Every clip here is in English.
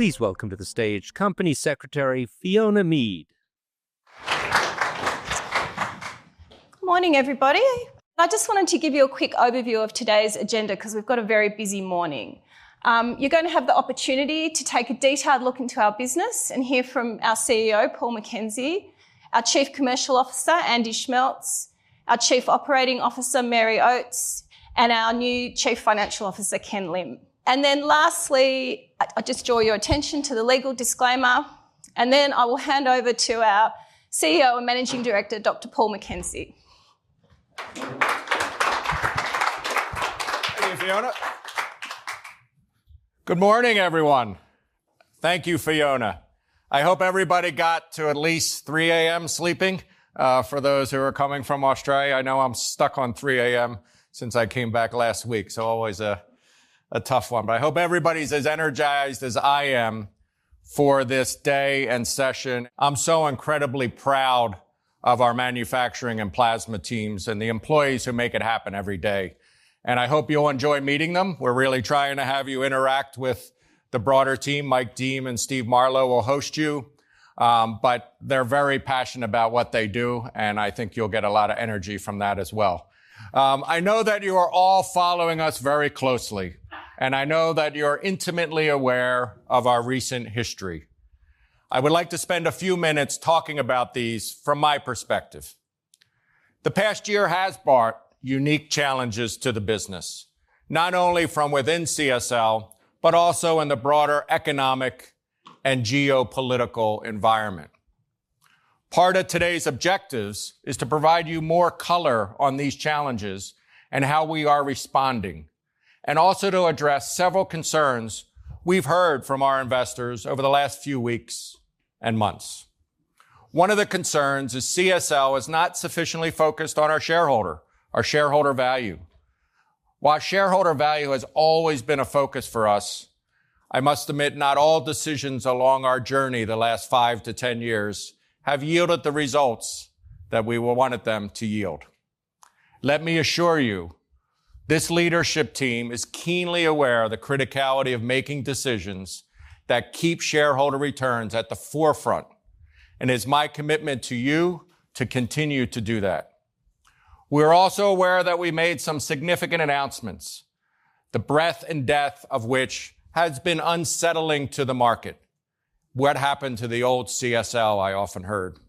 Please welcome to the stage Company Secretary Fiona Mead. Good morning, everybody. I just wanted to give you a quick overview of today's agenda because we've got a very busy morning. You're going to have the opportunity to take a detailed look into our business and hear from our CEO, Paul McKenzie, our Chief Commercial Officer, Andy Schmeltz, our Chief Operating Officer, Mary Oates, and our new Chief Financial Officer, Ken Lim. And then lastly, I'll just draw your attention to the legal disclaimer, and then I will hand over to our CEO and Managing Director, Dr. Paul McKenzie. Thank you, Fiona. Good morning, everyone. Thank you, Fiona. I hope everybody got to at least 3:00 A.M. sleeping. For those who are coming from Australia, I know I'm stuck on 3:00 A.M. since I came back last week, so always a tough one, but I hope everybody's as energized as I am for this day and session. I'm so incredibly proud of our manufacturing and plasma teams and the employees who make it happen every day, and I hope you'll enjoy meeting them. We're really trying to have you interact with the broader team. Mike Deem and Steve Marlow will host you, but they're very passionate about what they do, and I think you'll get a lot of energy from that as well. I know that you are all following us very closely, and I know that you're intimately aware of our recent history. I would like to spend a few minutes talking about these from my perspective. The past year has brought unique challenges to the business, not only from within CSL, but also in the broader economic and geopolitical environment. Part of today's objectives is to provide you more color on these challenges and how we are responding, and also to address several concerns we've heard from our investors over the last few weeks and months. One of the concerns is CSL is not sufficiently focused on our shareholder, our shareholder value. While shareholder value has always been a focus for us, I must admit not all decisions along our journey the last five to 10 years have yielded the results that we wanted them to yield. Let me assure you, this leadership team is keenly aware of the criticality of making decisions that keep shareholder returns at the forefront, and it's my commitment to you to continue to do that. We're also aware that we made some significant announcements, the breadth and depth of which has been unsettling to the market. "What happened to the old CSL?" I often heard.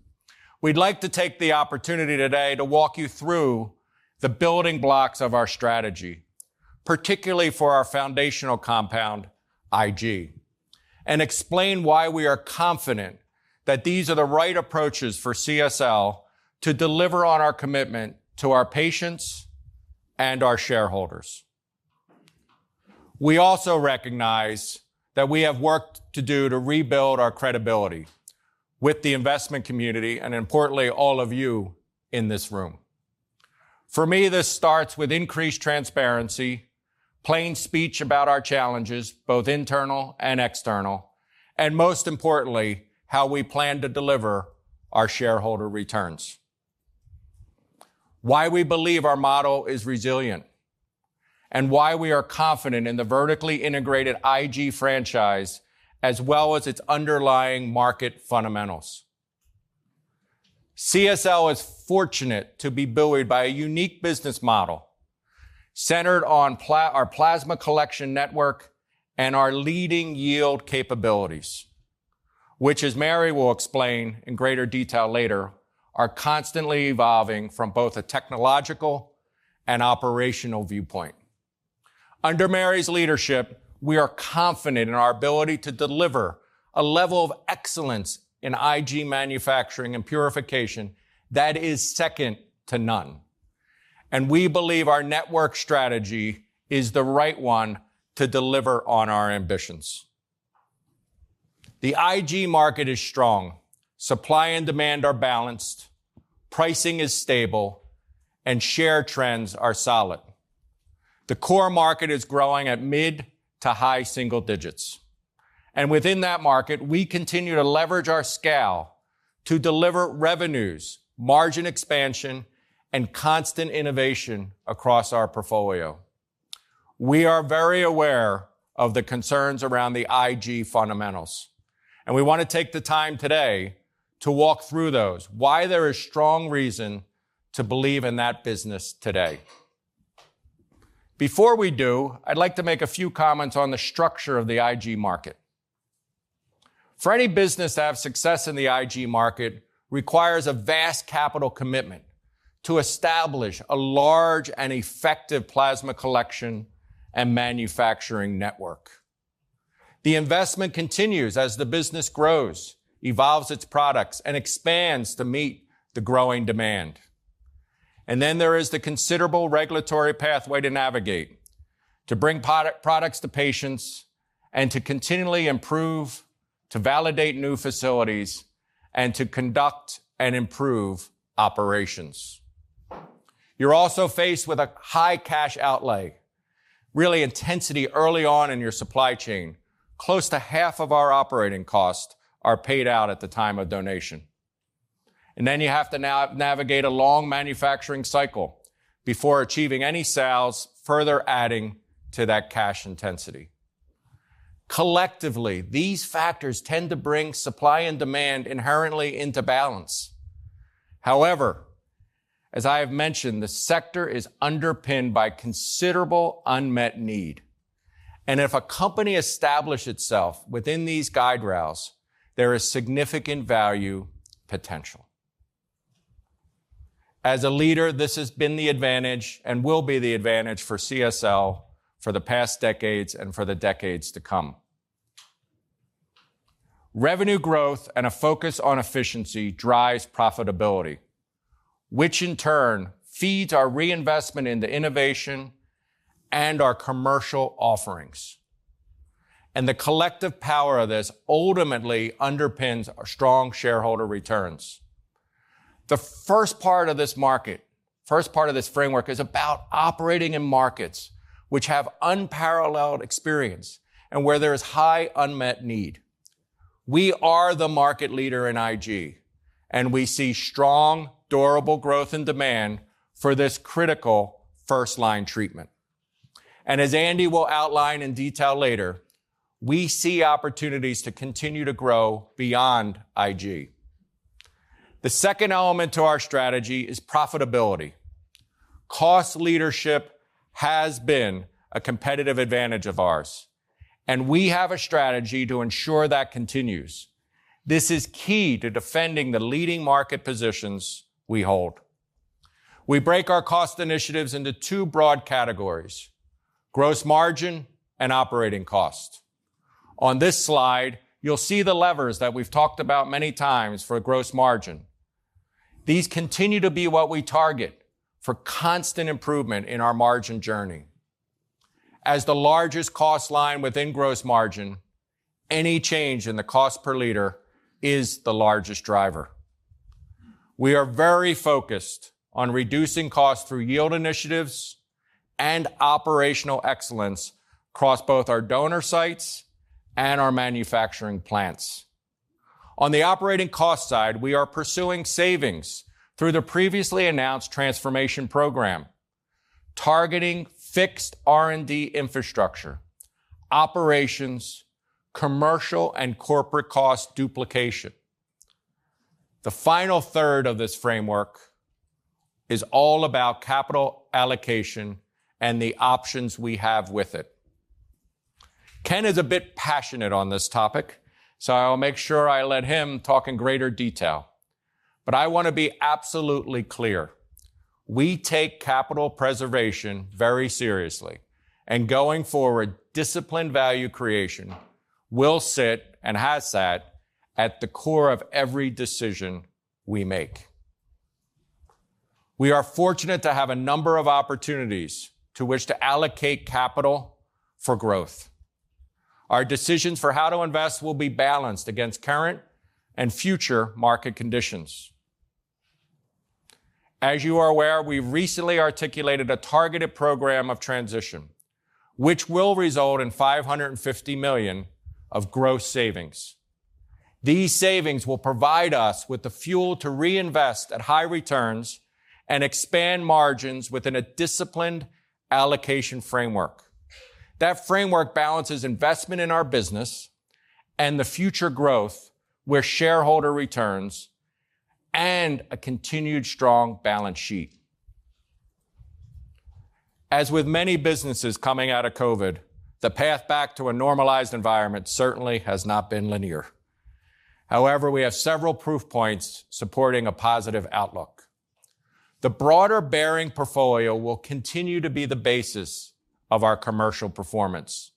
We'd like to take the opportunity today to walk you through the building blocks of our strategy, particularly for our foundational compound, IG, and explain why we are confident that these are the right approaches for CSL to deliver on our commitment to our patients and our shareholders. We also recognize that we have work to do to rebuild our credibility with the investment community and, importantly, all of you in this room. For me, this starts with increased transparency, plain speech about our challenges, both internal and external, and most importantly, how we plan to deliver our shareholder returns. Why we believe our model is resilient and why we are confident in the vertically integrated IG franchise as well as its underlying market fundamentals. CSL is fortunate to be buoyed by a unique business model centered on our plasma collection network and our leading yield capabilities, which, as Mary will explain in greater detail later, are constantly evolving from both a technological and operational viewpoint. Under Mary's leadership, we are confident in our ability to deliver a level of excellence in IG manufacturing and purification that is second to none. And we believe our network strategy is the right one to deliver on our ambitions. The IG market is strong. Supply and demand are balanced. Pricing is stable, and share trends are solid. The core market is growing at mid to high single digits. And within that market, we continue to leverage our scale to deliver revenues, margin expansion, and constant innovation across our portfolio. We are very aware of the concerns around the IG fundamentals, and we want to take the time today to walk through those, why there is strong reason to believe in that business today. Before we do, I'd like to make a few comments on the structure of the IG market. For any business to have success in the IG market requires a vast capital commitment to establish a large and effective plasma collection and manufacturing network. The investment continues as the business grows, evolves its products, and expands to meet the growing demand. Then there is the considerable regulatory pathway to navigate, to bring products to patients, and to continually improve, to validate new facilities, and to conduct and improve operations. You're also faced with a high cash outlay, real intensity early on in your supply chain. Close to half of our operating costs are paid out at the time of donation. Then you have to navigate a long manufacturing cycle before achieving any sales, further adding to that cash intensity. Collectively, these factors tend to bring supply and demand inherently into balance. However, as I have mentioned, the sector is underpinned by considerable unmet need. If a company establishes itself within these guide rails, there is significant value potential. As a leader, this has been the advantage and will be the advantage for CSL for the past decades and for the decades to come. Revenue growth and a focus on efficiency drives profitability, which in turn feeds our reinvestment into innovation and our commercial offerings. And the collective power of this ultimately underpins our strong shareholder returns. The first part of this market, first part of this framework, is about operating in markets which have unparalleled experience and where there is high unmet need. We are the market leader in IG, and we see strong, durable growth in demand for this critical first-line treatment. And as Andy will outline in detail later, we see opportunities to continue to grow beyond IG. The second element to our strategy is profitability. Cost leadership has been a competitive advantage of ours, and we have a strategy to ensure that continues. This is key to defending the leading market positions we hold. We break our cost initiatives into two broad categories: gross margin and operating cost. On this slide, you'll see the levers that we've talked about many times for gross margin. These continue to be what we target for constant improvement in our margin journey. As the largest cost line within gross margin, any change in the cost per liter is the largest driver. We are very focused on reducing costs through yield initiatives and operational excellence across both our donor sites and our manufacturing plants. On the operating cost side, we are pursuing savings through the previously announced transformation program, targeting fixed R&D infrastructure, operations, commercial, and corporate cost duplication. The final third of this framework is all about capital allocation and the options we have with it. Ken is a bit passionate on this topic, so I'll make sure I let him talk in greater detail. But I want to be absolutely clear. We take capital preservation very seriously, and going forward, disciplined value creation will sit and has sat at the core of every decision we make. We are fortunate to have a number of opportunities to which to allocate capital for growth. Our decisions for how to invest will be balanced against current and future market conditions. As you are aware, we've recently articulated a targeted program of transition, which will result in 550 million of gross savings. These savings will provide us with the fuel to reinvest at high returns and expand margins within a disciplined allocation framework. That framework balances investment in our business and the future growth with shareholder returns and a continued strong balance sheet. As with many businesses coming out of COVID, the path back to a normalized environment certainly has not been linear. However, we have several proof points supporting a positive outlook. The broader Behring portfolio will continue to be the basis of our commercial performance,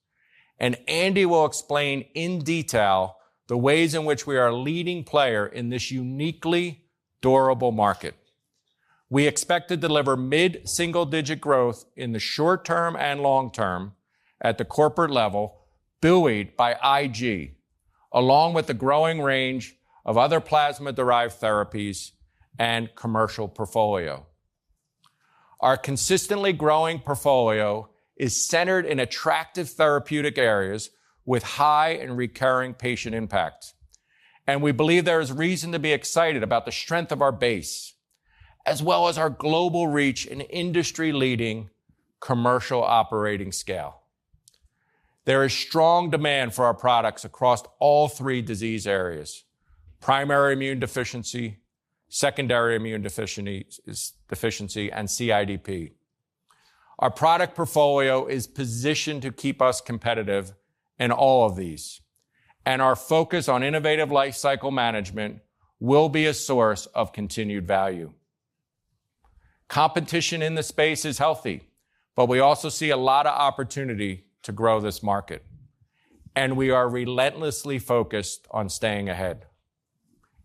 and Andy will explain in detail the ways in which we are a leading player in this uniquely durable market. We expect to deliver mid-single-digit growth in the short term and long term at the corporate level, buoyed by IG, along with the growing range of other plasma-derived therapies and commercial portfolio. Our consistently growing portfolio is centered in attractive therapeutic areas with high and recurring patient impact. We believe there is reason to be excited about the strength of our base, as well as our global reach and industry-leading commercial operating scale. There is strong demand for our products across all three disease areas: primary immune deficiency, secondary immune deficiency, and CIDP. Our product portfolio is positioned to keep us competitive in all of these, and our focus on innovative life cycle management will be a source of continued value. Competition in the space is healthy, but we also see a lot of opportunity to grow this market, and we are relentlessly focused on staying ahead.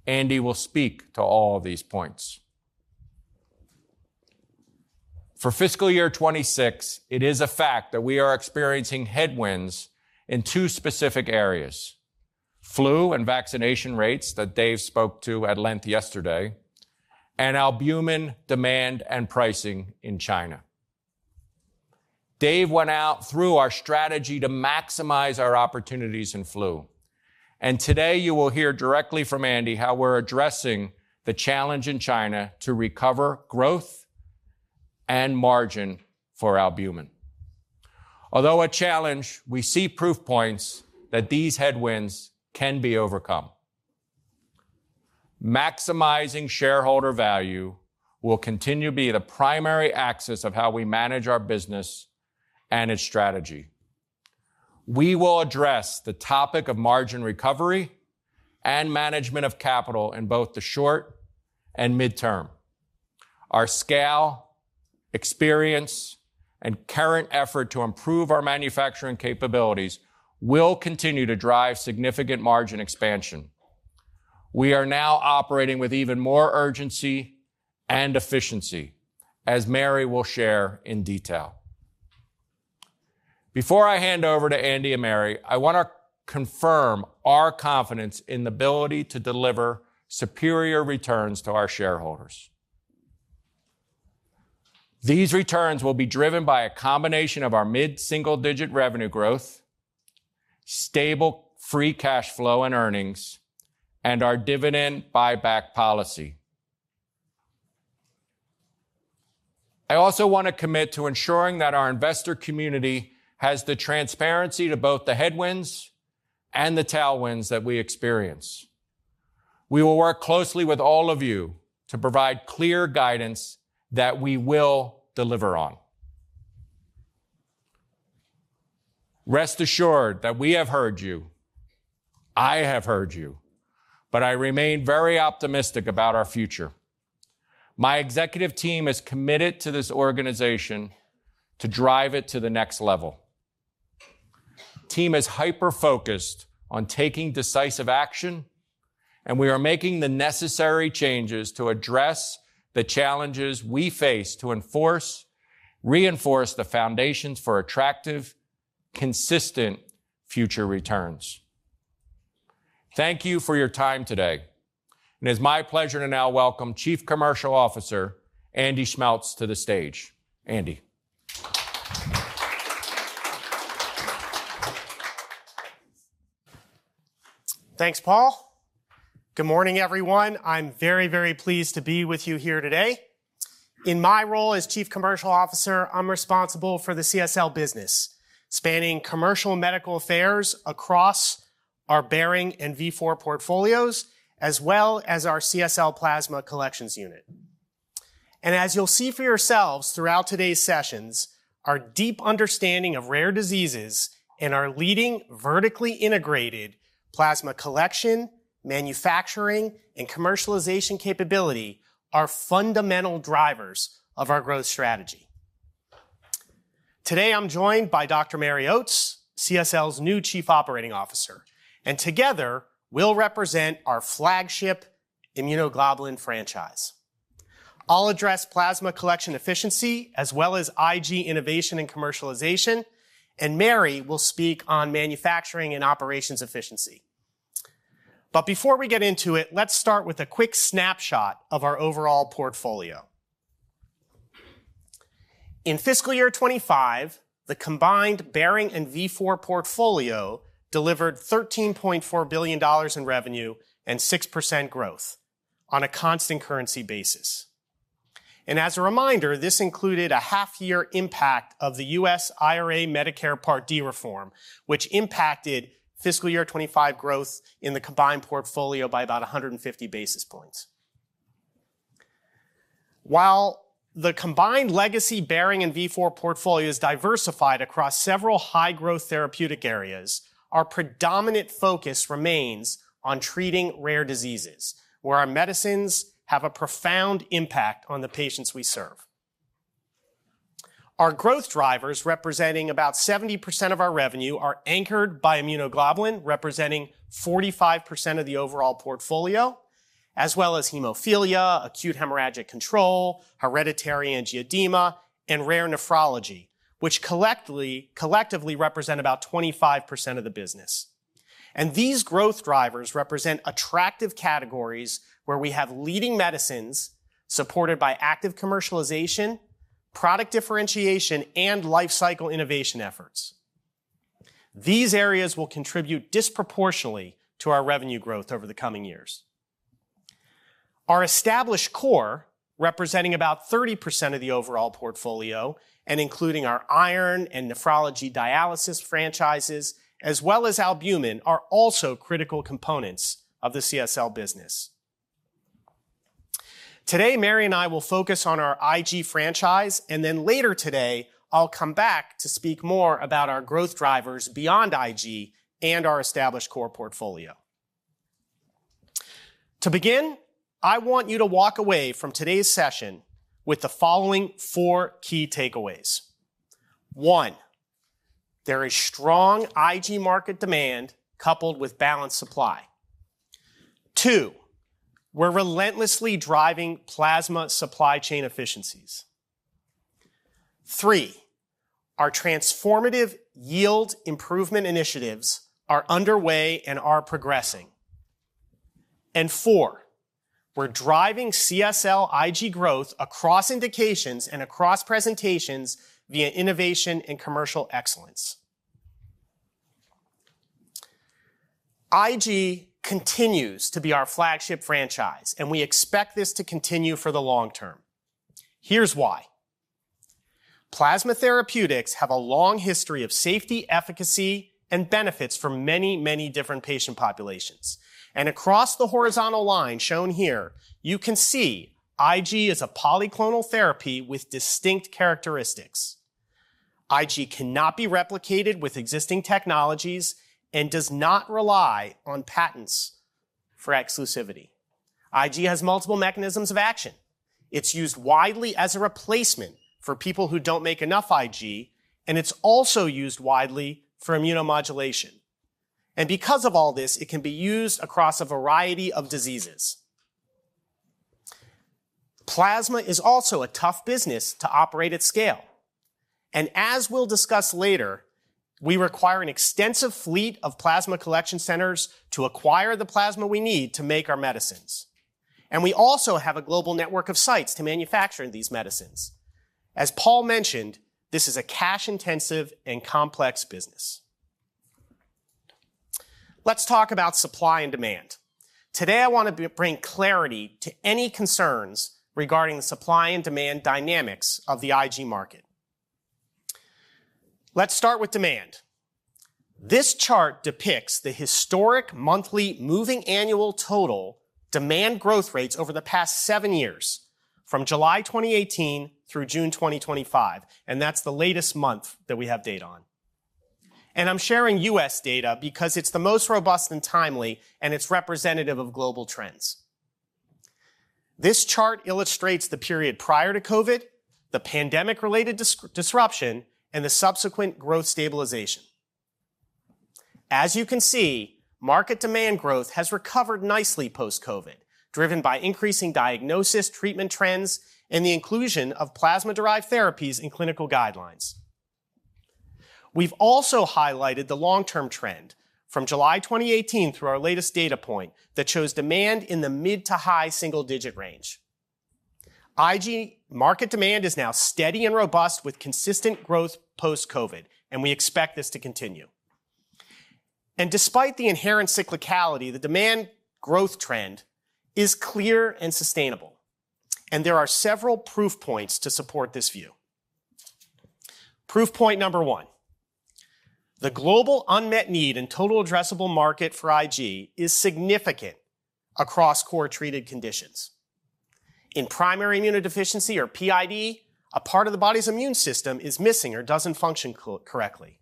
Andy will speak to all of these points. For fiscal year 2026, it is a fact that we are experiencing headwinds in two specific areas: flu and vaccination rates that Dave spoke to at length yesterday, and albumin demand and pricing in China. Dave went through our strategy to maximize our opportunities in flu, and today you will hear directly from Andy how we're addressing the challenge in China to recover growth and margin for albumin. Although a challenge, we see proof points that these headwinds can be overcome. Maximizing shareholder value will continue to be the primary axis of how we manage our business and its strategy. We will address the topic of margin recovery and management of capital in both the short and midterm. Our scale, experience, and current effort to improve our manufacturing capabilities will continue to drive significant margin expansion. We are now operating with even more urgency and efficiency, as Mary will share in detail. Before I hand over to Andy and Mary, I want to confirm our confidence in the ability to deliver superior returns to our shareholders. These returns will be driven by a combination of our mid-single-digit revenue growth, stable free cash flow and earnings, and our dividend buyback policy. I also want to commit to ensuring that our investor community has the transparency to both the headwinds and the tailwinds that we experience. We will work closely with all of you to provide clear guidance that we will deliver on. Rest assured that we have heard you. I have heard you, but I remain very optimistic about our future. My executive team is committed to this organization to drive it to the next level. The team is hyper-focused on taking decisive action, and we are making the necessary changes to address the challenges we face to reinforce the foundations for attractive, consistent future returns. Thank you for your time today, and it is my pleasure to now welcome Chief Commercial Officer Andy Schmeltz to the stage. Andy. Thanks, Paul. Good morning, everyone. I'm very, very pleased to be with you here today. In my role as Chief Commercial Officer, I'm responsible for the CSL business, spanning commercial medical affairs across our Behring and Vifor portfolios, as well as our CSL Plasma collections unit. As you'll see for yourselves throughout today's sessions, our deep understanding of rare diseases and our leading vertically integrated plasma collection, manufacturing, and commercialization capability are fundamental drivers of our growth strategy. Today, I'm joined by Dr. Mary Oates, CSL's new Chief Operating Officer, and together, we'll represent our flagship immunoglobulin franchise. I'll address plasma collection efficiency, as well as IG innovation and commercialization, and Mary will speak on manufacturing and operations efficiency. But before we get into it, let's start with a quick snapshot of our overall portfolio. In fiscal year 2025, the combined Behring and Vifor portfolio delivered 13.4 billion dollars in revenue and 6% growth on a constant currency basis. And as a reminder, this included a half-year impact of the U.S. IRA Medicare Part D reform, which impacted fiscal year 2025 growth in the combined portfolio by about 150 basis points. While the combined legacy Behring and Vifor portfolio is diversified across several high-growth therapeutic areas, our predominant focus remains on treating rare diseases, where our medicines have a profound impact on the patients we serve. Our growth drivers, representing about 70% of our revenue, are anchored by immunoglobulin, representing 45% of the overall portfolio, as well as hemophilia, acute hemorrhagic control, hereditary angioedema, and rare nephrology, which collectively represent about 25% of the business, and these growth drivers represent attractive categories where we have leading medicines supported by active commercialization, product differentiation, and life cycle innovation efforts. These areas will contribute disproportionately to our revenue growth over the coming years. Our established core, representing about 30% of the overall portfolio, and including our iron and nephrology dialysis franchises, as well as albumin, are also critical components of the CSL business. Today, Mary and I will focus on our IG franchise, and then later today, I'll come back to speak more about our growth drivers beyond IG and our established core portfolio. To begin, I want you to walk away from today's session with the following four key takeaways. One, there is strong IG market demand coupled with balanced supply. Two, we're relentlessly driving plasma supply chain efficiencies. Three, our transformative yield improvement initiatives are underway and are progressing. And four, we're driving CSL IG growth across indications and across presentations via innovation and commercial excellence. IG continues to be our flagship franchise, and we expect this to continue for the long term. Here's why. Plasma therapeutics have a long history of safety, efficacy, and benefits for many, many different patient populations. And across the horizontal line shown here, you can see IG is a polyclonal therapy with distinct characteristics. IG cannot be replicated with existing technologies and does not rely on patents for exclusivity. IG has multiple mechanisms of action. It's used widely as a replacement for people who don't make enough IG, and it's also used widely for immunomodulation. And because of all this, it can be used across a variety of diseases. Plasma is also a tough business to operate at scale. And as we'll discuss later, we require an extensive fleet of plasma collection centers to acquire the plasma we need to make our medicines. And we also have a global network of sites to manufacture these medicines. As Paul mentioned, this is a cash-intensive and complex business. Let's talk about supply and demand. Today, I want to bring clarity to any concerns regarding the supply and demand dynamics of the IG market. Let's start with demand. This chart depicts the historical monthly moving annual total demand growth rates over the past seven years from July 2018 through June 2025, and that's the latest month that we have data on. I'm sharing U.S. data because it's the most robust and timely, and it's representative of global trends. This chart illustrates the period prior to COVID, the pandemic-related disruption, and the subsequent growth stabilization. As you can see, market demand growth has recovered nicely post-COVID, driven by increasing diagnosis, treatment trends, and the inclusion of plasma-derived therapies in clinical guidelines. We've also highlighted the long-term trend from July 2018 through our latest data point that shows demand in the mid to high single-digit range. IG market demand is now steady and robust with consistent growth post-COVID, and we expect this to continue. Despite the inherent cyclicality, the demand growth trend is clear and sustainable, and there are several proof points to support this view. Proof point number one, the global unmet need in total addressable market for IG is significant across core treated conditions. In primary immunodeficiency, or PID, a part of the body's immune system is missing or doesn't function correctly.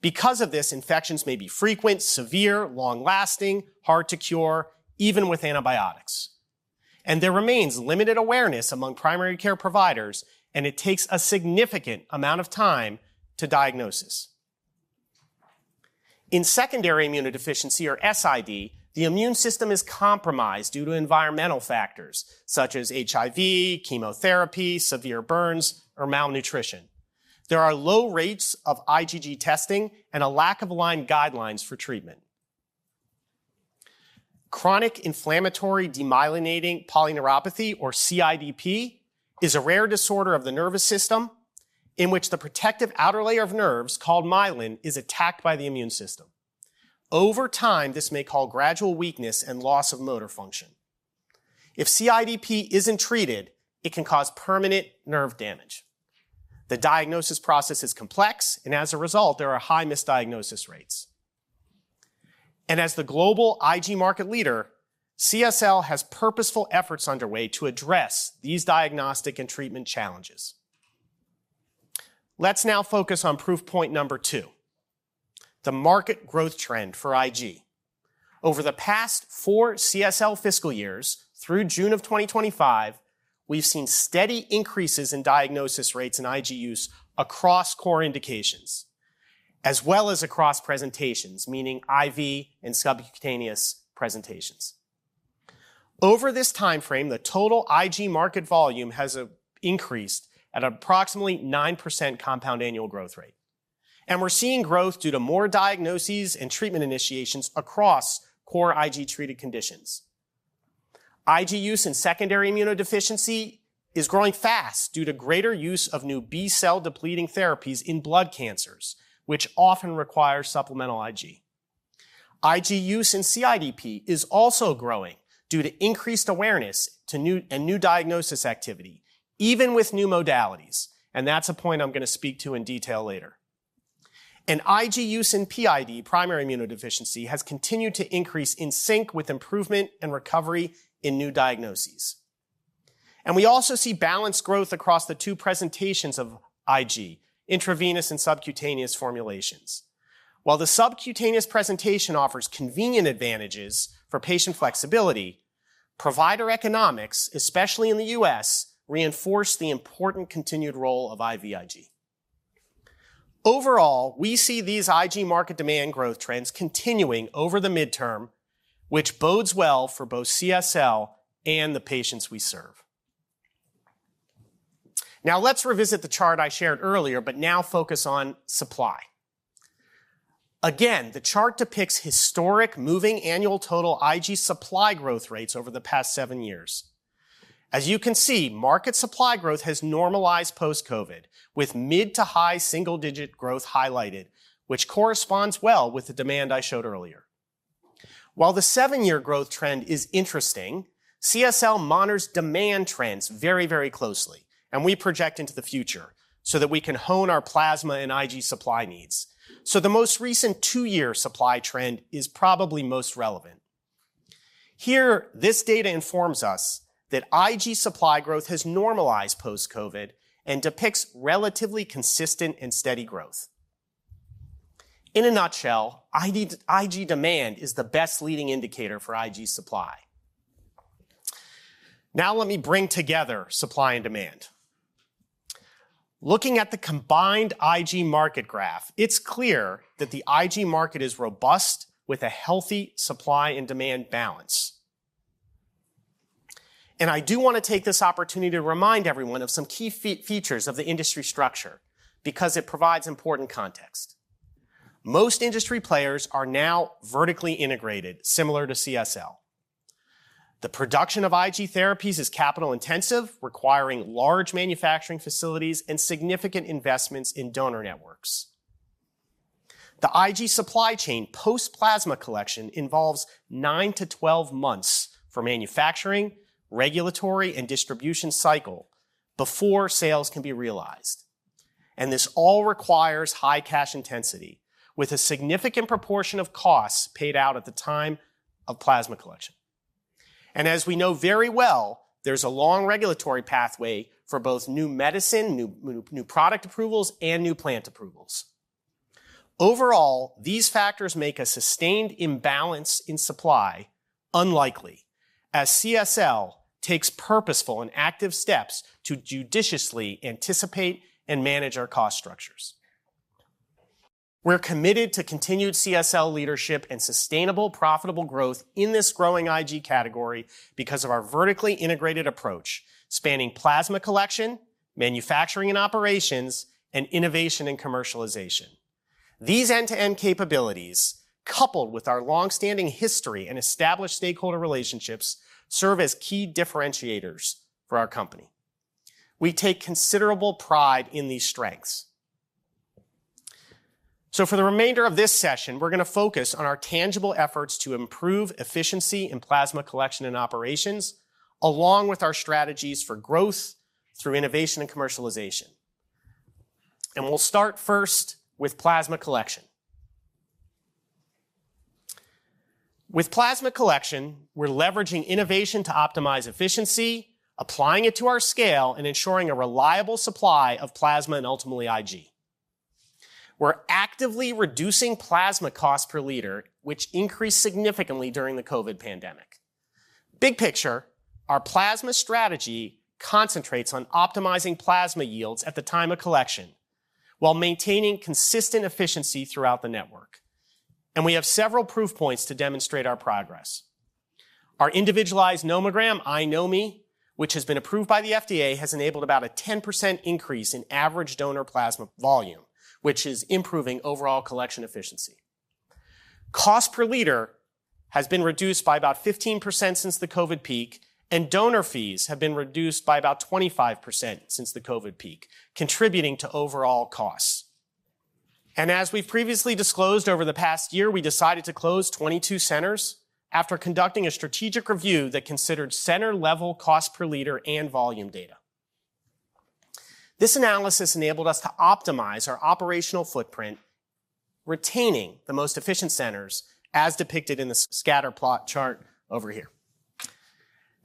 Because of this, infections may be frequent, severe, long-lasting, hard to cure, even with antibiotics. There remains limited awareness among primary care providers, and it takes a significant amount of time to diagnose. In secondary immunodeficiency, or SID, the immune system is compromised due to environmental factors such as HIV, chemotherapy, severe burns, or malnutrition. There are low rates of IgG testing and a lack of aligned guidelines for treatment. Chronic inflammatory demyelinating polyneuropathy, or CIDP, is a rare disorder of the nervous system in which the protective outer layer of nerves, called myelin, is attacked by the immune system. Over time, this may cause gradual weakness and loss of motor function. If CIDP isn't treated, it can cause permanent nerve damage. The diagnosis process is complex, and as a result, there are high misdiagnosis rates. And as the global IG market leader, CSL has purposeful efforts underway to address these diagnostic and treatment challenges. Let's now focus on proof point number two, the market growth trend for IG. Over the past four CSL fiscal years, through June of 2025, we've seen steady increases in diagnosis rates in IG use across core indications, as well as across presentations, meaning IV and subcutaneous presentations. Over this timeframe, the total IG market volume has increased at approximately 9% compound annual growth rate. We're seeing growth due to more diagnoses and treatment initiations across core IG treated conditions. IG use in secondary immunodeficiency is growing fast due to greater use of new B-cell depleting therapies in blood cancers, which often require supplemental IG. IG use in CIDP is also growing due to increased awareness and new diagnosis activity, even with new modalities. That's a point I'm going to speak to in detail later. IG use in PID, primary immunodeficiency, has continued to increase in sync with improvement and recovery in new diagnoses. We also see balanced growth across the two presentations of IG, intravenous and subcutaneous formulations. While the subcutaneous presentation offers convenient advantages for patient flexibility, provider economics, especially in the U.S., reinforce the important continued role of IVIG. Overall, we see these IG market demand growth trends continuing over the midterm, which bodes well for both CSL and the patients we serve. Now, let's revisit the chart I shared earlier, but now focus on supply. Again, the chart depicts historic moving annual total IG supply growth rates over the past seven years. As you can see, market supply growth has normalized post-COVID, with mid to high single-digit growth highlighted, which corresponds well with the demand I showed earlier. While the seven-year growth trend is interesting, CSL monitors demand trends very, very closely, and we project into the future so that we can hone our plasma and IG supply needs. So the most recent two-year supply trend is probably most relevant. Here, this data informs us that IG supply growth has normalized post-COVID and depicts relatively consistent and steady growth. In a nutshell, IG demand is the best leading indicator for IG supply. Now, let me bring together supply and demand. Looking at the combined IG market graph, it's clear that the IG market is robust with a healthy supply and demand balance. And I do want to take this opportunity to remind everyone of some key features of the industry structure because it provides important context. Most industry players are now vertically integrated, similar to CSL. The production of IG therapies is capital-intensive, requiring large manufacturing facilities and significant investments in donor networks. The IG supply chain post-plasma collection involves 9-12 months for manufacturing, regulatory, and distribution cycle before sales can be realized. And this all requires high cash intensity, with a significant proportion of costs paid out at the time of plasma collection. As we know very well, there's a long regulatory pathway for both new medicine, new product approvals, and new plant approvals. Overall, these factors make a sustained imbalance in supply unlikely, as CSL takes purposeful and active steps to judiciously anticipate and manage our cost structures. We're committed to continued CSL leadership and sustainable profitable growth in this growing IG category because of our vertically integrated approach spanning plasma collection, manufacturing and operations, and innovation and commercialization. These end-to-end capabilities, coupled with our long-standing history and established stakeholder relationships, serve as key differentiators for our company. We take considerable pride in these strengths. For the remainder of this session, we're going to focus on our tangible efforts to improve efficiency in plasma collection and operations, along with our strategies for growth through innovation and commercialization. We'll start first with plasma collection. With plasma collection, we're leveraging innovation to optimize efficiency, applying it to our scale, and ensuring a reliable supply of plasma and ultimately IG. We're actively reducing plasma costs per liter, which increased significantly during the COVID pandemic. Big picture, our plasma strategy concentrates on optimizing plasma yields at the time of collection while maintaining consistent efficiency throughout the network. And we have several proof points to demonstrate our progress. Our individualized nomogram, iNomi, which has been approved by the FDA, has enabled about a 10% increase in average donor plasma volume, which is improving overall collection efficiency. Cost per liter has been reduced by about 15% since the COVID peak, and donor fees have been reduced by about 25% since the COVID peak, contributing to overall costs. As we've previously disclosed over the past year, we decided to close 22 centers after conducting a strategic review that considered center-level cost per liter and volume data. This analysis enabled us to optimize our operational footprint, retaining the most efficient centers as depicted in the scatter plot chart over here.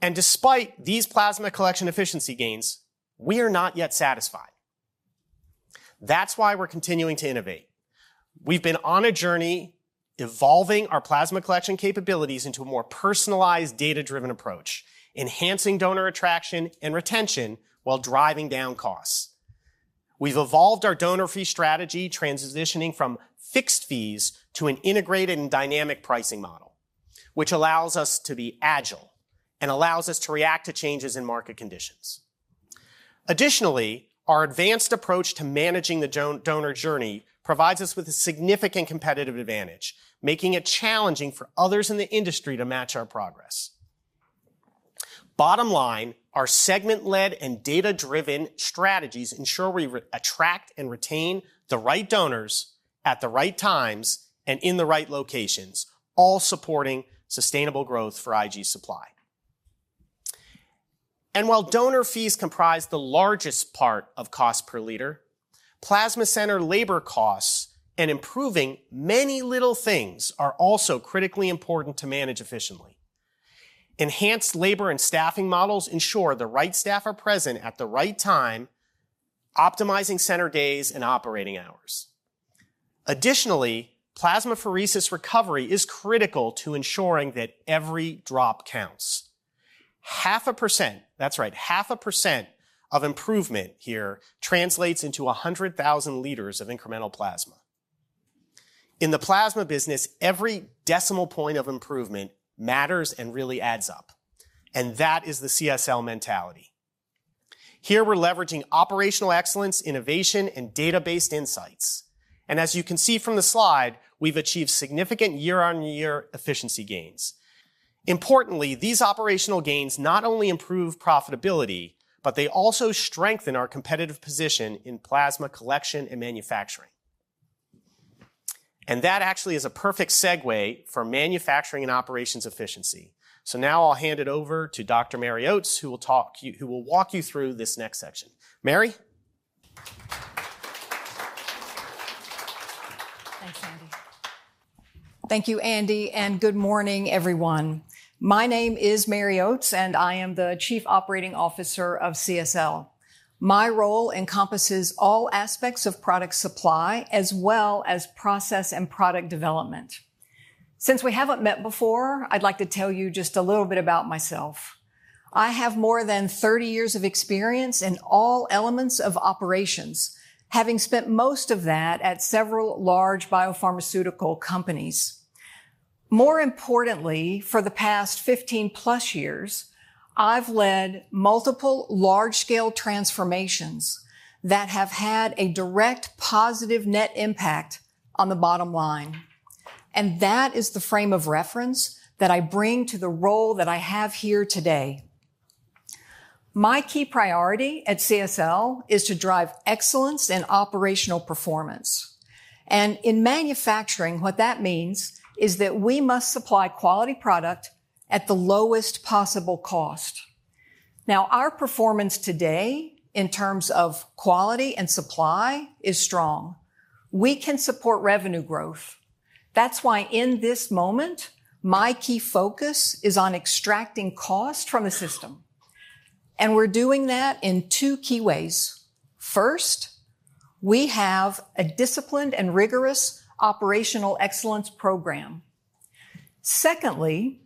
Despite these plasma collection efficiency gains, we are not yet satisfied. That's why we're continuing to innovate. We've been on a journey evolving our plasma collection capabilities into a more personalized, data-driven approach, enhancing donor attraction and retention while driving down costs. We've evolved our donor fee strategy, transitioning from fixed fees to an integrated and dynamic pricing model, which allows us to be agile and allows us to react to changes in market conditions. Additionally, our advanced approach to managing the donor journey provides us with a significant competitive advantage, making it challenging for others in the industry to match our progress. Bottom line, our segment-led and data-driven strategies ensure we attract and retain the right donors at the right times and in the right locations, all supporting sustainable growth for IG supply. And while donor fees comprise the largest part of cost per liter, plasma center labor costs and improving many little things are also critically important to manage efficiently. Enhanced labor and staffing models ensure the right staff are present at the right time, optimizing center days and operating hours. Additionally, plasmapheresis recovery is critical to ensuring that every drop counts. 0.5%, that's right, 0.5% of improvement here translates into 100,000 liters of incremental plasma. In the plasma business, every decimal point of improvement matters and really adds up, and that is the CSL mentality. Here we're leveraging operational excellence, innovation, and data-based insights, and as you can see from the slide, we've achieved significant year-on-year efficiency gains. Importantly, these operational gains not only improve profitability, but they also strengthen our competitive position in plasma collection and manufacturing, and that actually is a perfect segue for manufacturing and operations efficiency. So now I'll hand it over to Dr. Mary Oates, who will walk you through this next section. Mary. Thanks, Andy. Thank you, Andy, and good morning, everyone. My name is Mary Oates, and I am the Chief Operating Officer of CSL. My role encompasses all aspects of product supply, as well as process and product development. Since we haven't met before, I'd like to tell you just a little bit about myself. I have more than 30 years of experience in all elements of operations, having spent most of that at several large biopharmaceutical companies. More importantly, for the past 15-plus years, I've led multiple large-scale transformations that have had a direct positive net impact on the bottom line, and that is the frame of reference that I bring to the role that I have here today. My key priority at CSL is to drive excellence and operational performance, and in manufacturing, what that means is that we must supply quality product at the lowest possible cost. Now, our performance today in terms of quality and supply is strong. We can support revenue growth. That's why in this moment, my key focus is on extracting cost from the system, and we're doing that in two key ways. First, we have a disciplined and rigorous operational excellence program. Secondly,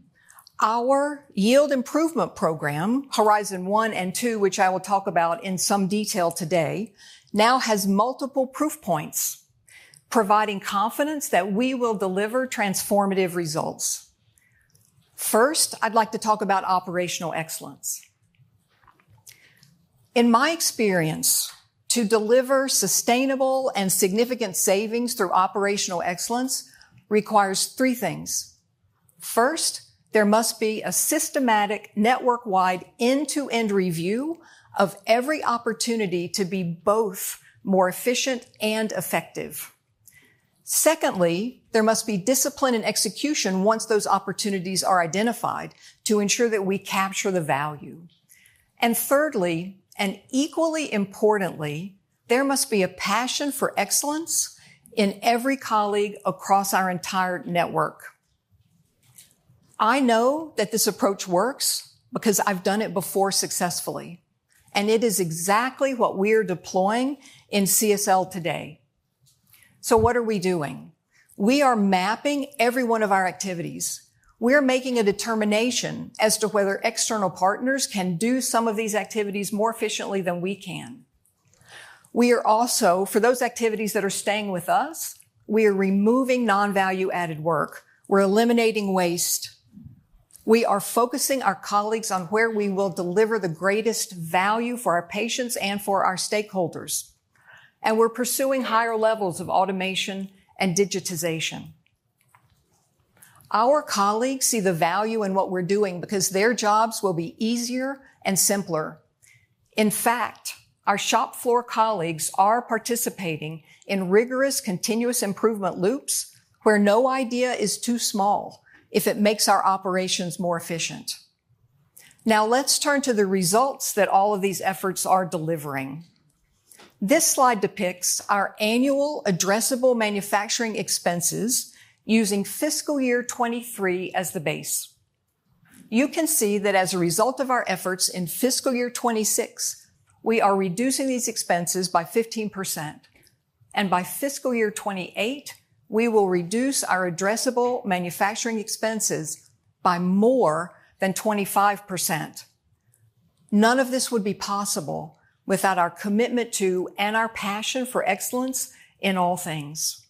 our yield improvement program, Horizon One and Two, which I will talk about in some detail today, now has multiple proof points, providing confidence that we will deliver transformative results. First, I'd like to talk about operational excellence. In my experience, to deliver sustainable and significant savings through operational excellence requires three things. First, there must be a systematic network-wide end-to-end review of every opportunity to be both more efficient and effective. Secondly, there must be discipline and execution once those opportunities are identified to ensure that we capture the value. And thirdly, and equally importantly, there must be a passion for excellence in every colleague across our entire network. I know that this approach works because I've done it before successfully. And it is exactly what we are deploying in CSL today. So what are we doing? We are mapping every one of our activities. We are making a determination as to whether external partners can do some of these activities more efficiently than we can. We are also, for those activities that are staying with us, we are removing non-value-added work. We're eliminating waste. We are focusing our colleagues on where we will deliver the greatest value for our patients and for our stakeholders. And we're pursuing higher levels of automation and digitization. Our colleagues see the value in what we're doing because their jobs will be easier and simpler. In fact, our shop floor colleagues are participating in rigorous continuous improvement loops where no idea is too small if it makes our operations more efficient. Now, let's turn to the results that all of these efforts are delivering. This slide depicts our annual addressable manufacturing expenses using fiscal year 2023 as the base. You can see that as a result of our efforts in fiscal year 26, we are reducing these expenses by 15%. By fiscal year 28, we will reduce our addressable manufacturing expenses by more than 25%. None of this would be possible without our commitment to and our passion for excellence in all things.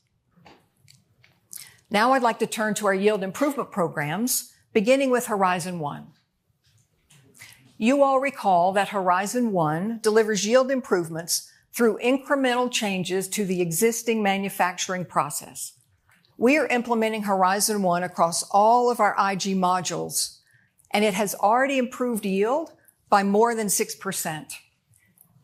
Now, I'd like to turn to our yield improvement programs, beginning with Horizon One. You all recall that Horizon One delivers yield improvements through incremental changes to the existing manufacturing process. We are implementing Horizon One across all of our IG modules, and it has already improved yield by more than 6%.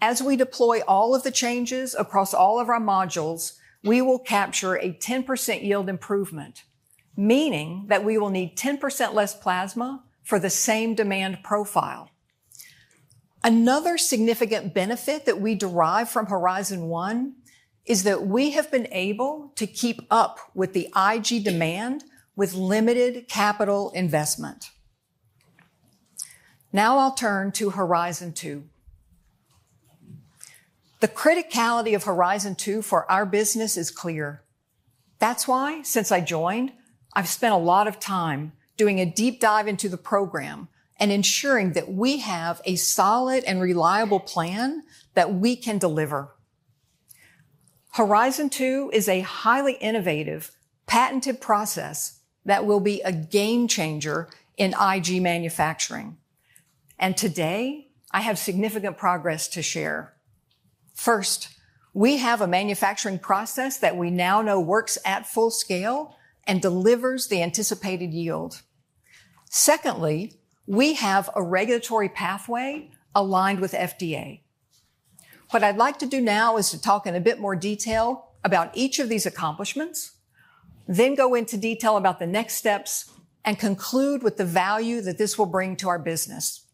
As we deploy all of the changes across all of our modules, we will capture a 10% yield improvement, meaning that we will need 10% less plasma for the same demand profile. Another significant benefit that we derive from Horizon One is that we have been able to keep up with the IG demand with limited capital investment. Now, I'll turn to Horizon Two. The criticality of Horizon Two for our business is clear. That's why, since I joined, I've spent a lot of time doing a deep dive into the program and ensuring that we have a solid and reliable plan that we can deliver. Horizon Two is a highly innovative, patented process that will be a game changer in IG manufacturing. And today, I have significant progress to share. First, we have a manufacturing process that we now know works at full scale and delivers the anticipated yield. Secondly, we have a regulatory pathway aligned with FDA. What I'd like to do now is to talk in a bit more detail about each of these accomplishments, then go into detail about the next steps and conclude with the value that this will bring to our business.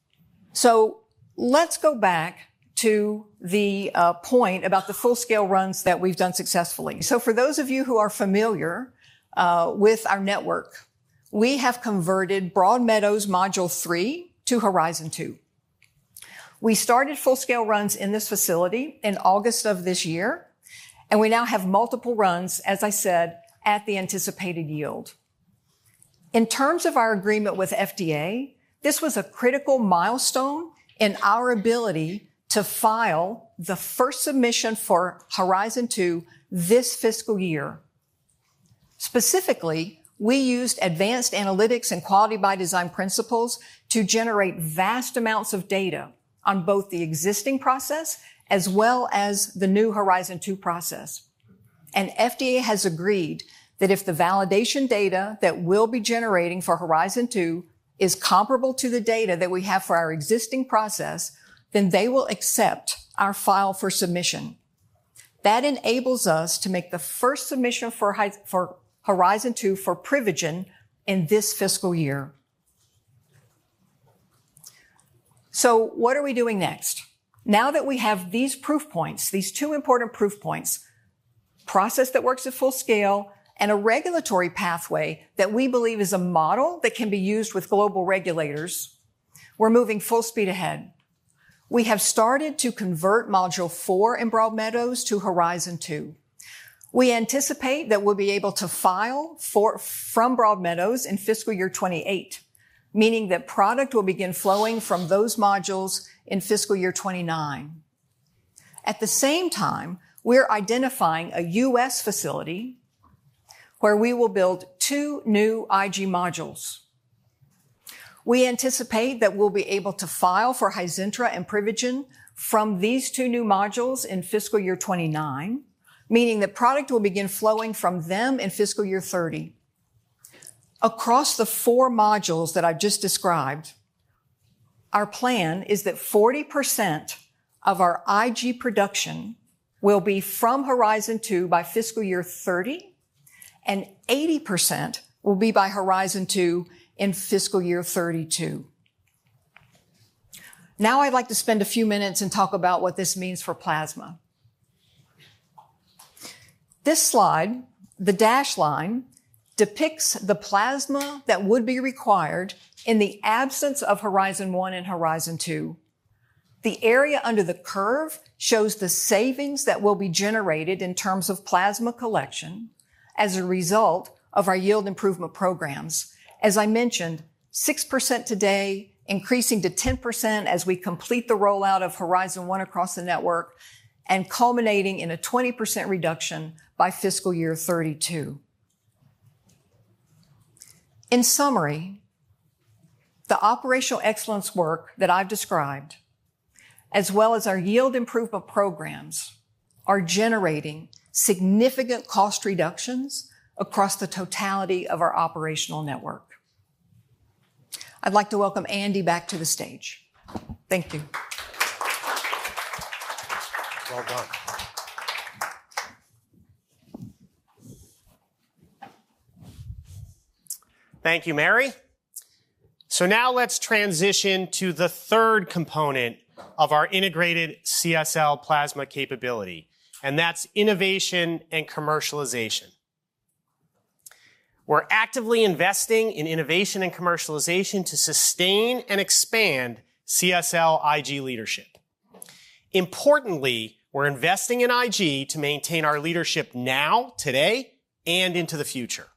So let's go back to the point about the full-scale runs that we've done successfully. So for those of you who are familiar with our network, we have converted Broadmeadows Module Three to Horizon Two. We started full-scale runs in this facility in August of this year, and we now have multiple runs, as I said, at the anticipated yield. In terms of our agreement with FDA, this was a critical milestone in our ability to file the first submission for Horizon Two this fiscal year. Specifically, we used advanced analytics and quality-by-design principles to generate vast amounts of data on both the existing process as well as the new Horizon Two process, and FDA has agreed that if the validation data that we'll be generating for Horizon Two is comparable to the data that we have for our existing process, then they will accept our file for submission. That enables us to make the first submission for Horizon Two for Privigen in this fiscal year. So what are we doing next? Now that we have these proof points, these two important proof points, a process that works at full scale, and a regulatory pathway that we believe is a model that can be used with global regulators, we're moving full speed ahead. We have started to convert Module Four in Broadmeadows to Horizon Two. We anticipate that we'll be able to file from Broadmeadows in fiscal year 28, meaning that product will begin flowing from those modules in fiscal year 29. At the same time, we're identifying a U.S. facility where we will build two new IG modules. We anticipate that we'll be able to file for Hizintra and Privigen from these two new modules in fiscal year 29, meaning that product will begin flowing from them in fiscal year 30. Across the four modules that I've just described, our plan is that 40% of our IG production will be from Horizon Two by fiscal year 30, and 80% will be by Horizon Two in fiscal year 32. Now, I'd like to spend a few minutes and talk about what this means for plasma. This slide, the dashed line, depicts the plasma that would be required in the absence of Horizon One and Horizon Two. The area under the curve shows the savings that will be generated in terms of plasma collection as a result of our yield improvement programs. As I mentioned, 6% today, increasing to 10% as we complete the rollout of Horizon One across the network and culminating in a 20% reduction by fiscal year 2032. In summary, the operational excellence work that I've described, as well as our yield improvement programs, are generating significant cost reductions across the totality of our operational network. I'd like to welcome Andy back to the stage. Thank you. Well done. Thank you, Mary. So now let's transition to the third component of our integrated CSL plasma capability, and that's innovation and commercialization. We're actively investing in innovation and commercialization to sustain and expand CSL IG leadership. Importantly, we're investing in IG to maintain our leadership now, today, and into the future.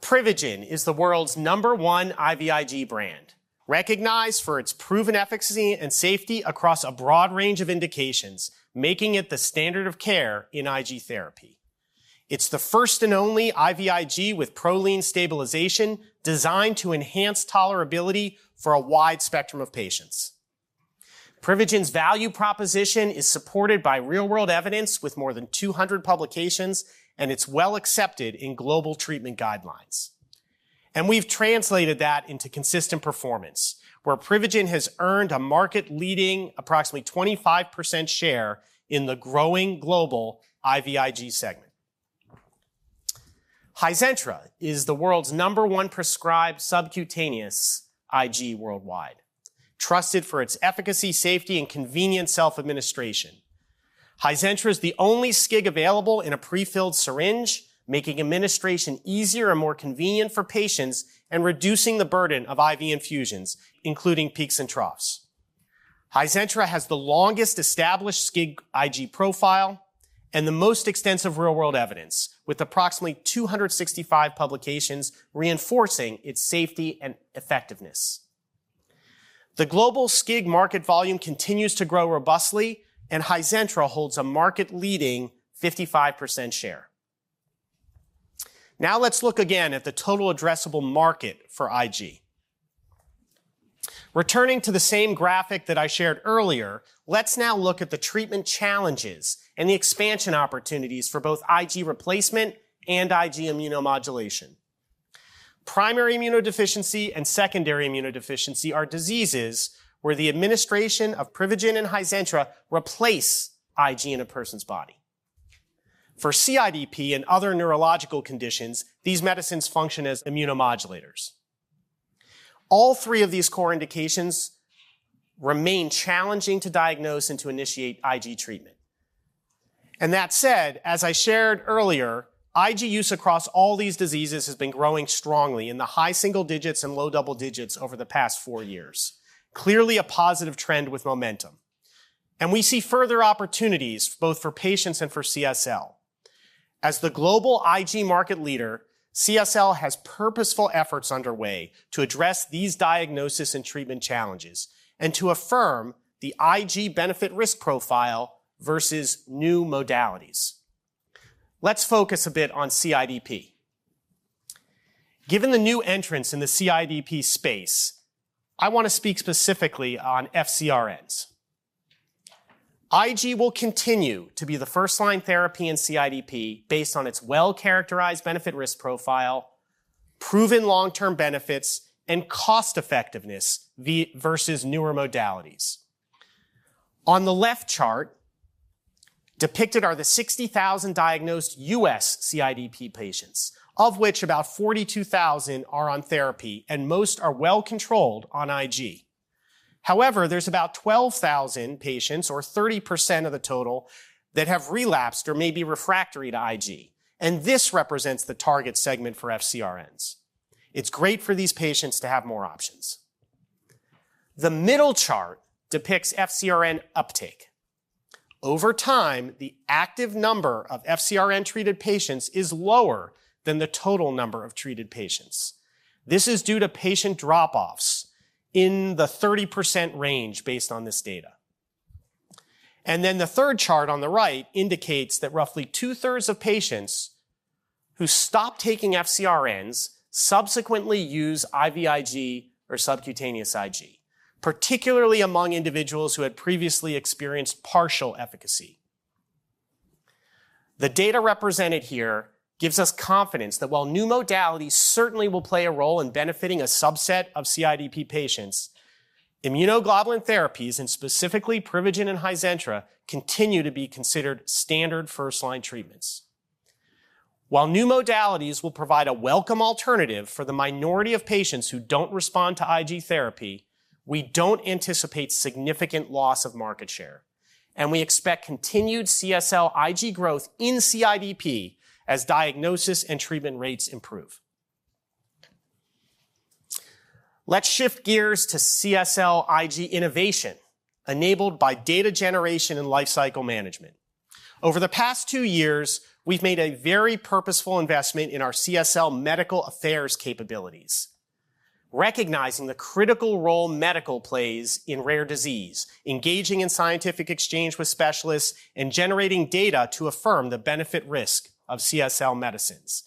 Privigen is the world's number one IVIG brand, recognized for its proven efficacy and safety across a broad range of indications, making it the standard of care in IG therapy. It's the first and only IVIG with proline stabilization designed to enhance tolerability for a wide spectrum of patients. Privigen's value proposition is supported by real-world evidence with more than 200 publications, and it's well accepted in global treatment guidelines, and we've translated that into consistent performance, where Privigen has earned a market-leading approximately 25% share in the growing global IVIG segment. Hizintra is the world's number one prescribed subcutaneous IG worldwide, trusted for its efficacy, safety, and convenient self-administration. Hizintra is the only SCIG available in a prefilled syringe, making administration easier and more convenient for patients and reducing the burden of IV infusions, including peaks and troughs. Hizintra has the longest established SCIG IG profile and the most extensive real-world evidence, with approximately 265 publications reinforcing its safety and effectiveness. The global SCIG market volume continues to grow robustly, and Hizintra holds a market-leading 55% share. Now, let's look again at the total addressable market for IG. Returning to the same graphic that I shared earlier, let's now look at the treatment challenges and the expansion opportunities for both IG replacement and IG immunomodulation. Primary immunodeficiency and secondary immunodeficiency are diseases where the administration of Privigen and Hizintra replace IG in a person's body. For CIDP and other neurological conditions, these medicines function as immunomodulators. All three of these core indications remain challenging to diagnose and to initiate IG treatment. And that said, as I shared earlier, IG use across all these diseases has been growing strongly in the high single digits and low double digits over the past four years, clearly a positive trend with momentum. And we see further opportunities both for patients and for CSL. As the global IG market leader, CSL has purposeful efforts underway to address these diagnosis and treatment challenges and to affirm the IG benefit-risk profile versus new modalities. Let's focus a bit on CIDP. Given the new entrants in the CIDP space, I want to speak specifically on FCRNs. IG will continue to be the first-line therapy in CIDP based on its well-characterized benefit-risk profile, proven long-term benefits, and cost-effectiveness versus newer modalities. On the left chart, depicted are the 60,000 diagnosed U.S. CIDP patients, of which about 42,000 are on therapy, and most are well-controlled on IG. However, there's about 12,000 patients, or 30% of the total, that have relapsed or may be refractory to IG, and this represents the target segment for FCRNs. It's great for these patients to have more options. The middle chart depicts FCRN uptake. Over time, the active number of FCRN-treated patients is lower than the total number of treated patients. This is due to patient drop-offs in the 30% range based on this data. And then the third chart on the right indicates that roughly two-thirds of patients who stopped taking FCRNs subsequently use IVIG or subcutaneous IG, particularly among individuals who had previously experienced partial efficacy. The data represented here gives us confidence that while new modalities certainly will play a role in benefiting a subset of CIDP patients, immunoglobulin therapies, and specifically Privigen and Hizintra, continue to be considered standard first-line treatments. While new modalities will provide a welcome alternative for the minority of patients who don't respond to IG therapy, we don't anticipate significant loss of market share, and we expect continued CSL IG growth in CIDP as diagnosis and treatment rates improve. Let's shift gears to CSL IG innovation enabled by data generation and lifecycle management. Over the past two years, we've made a very purposeful investment in our CSL medical affairs capabilities, recognizing the critical role medical plays in rare disease, engaging in scientific exchange with specialists, and generating data to affirm the benefit-risk of CSL medicines.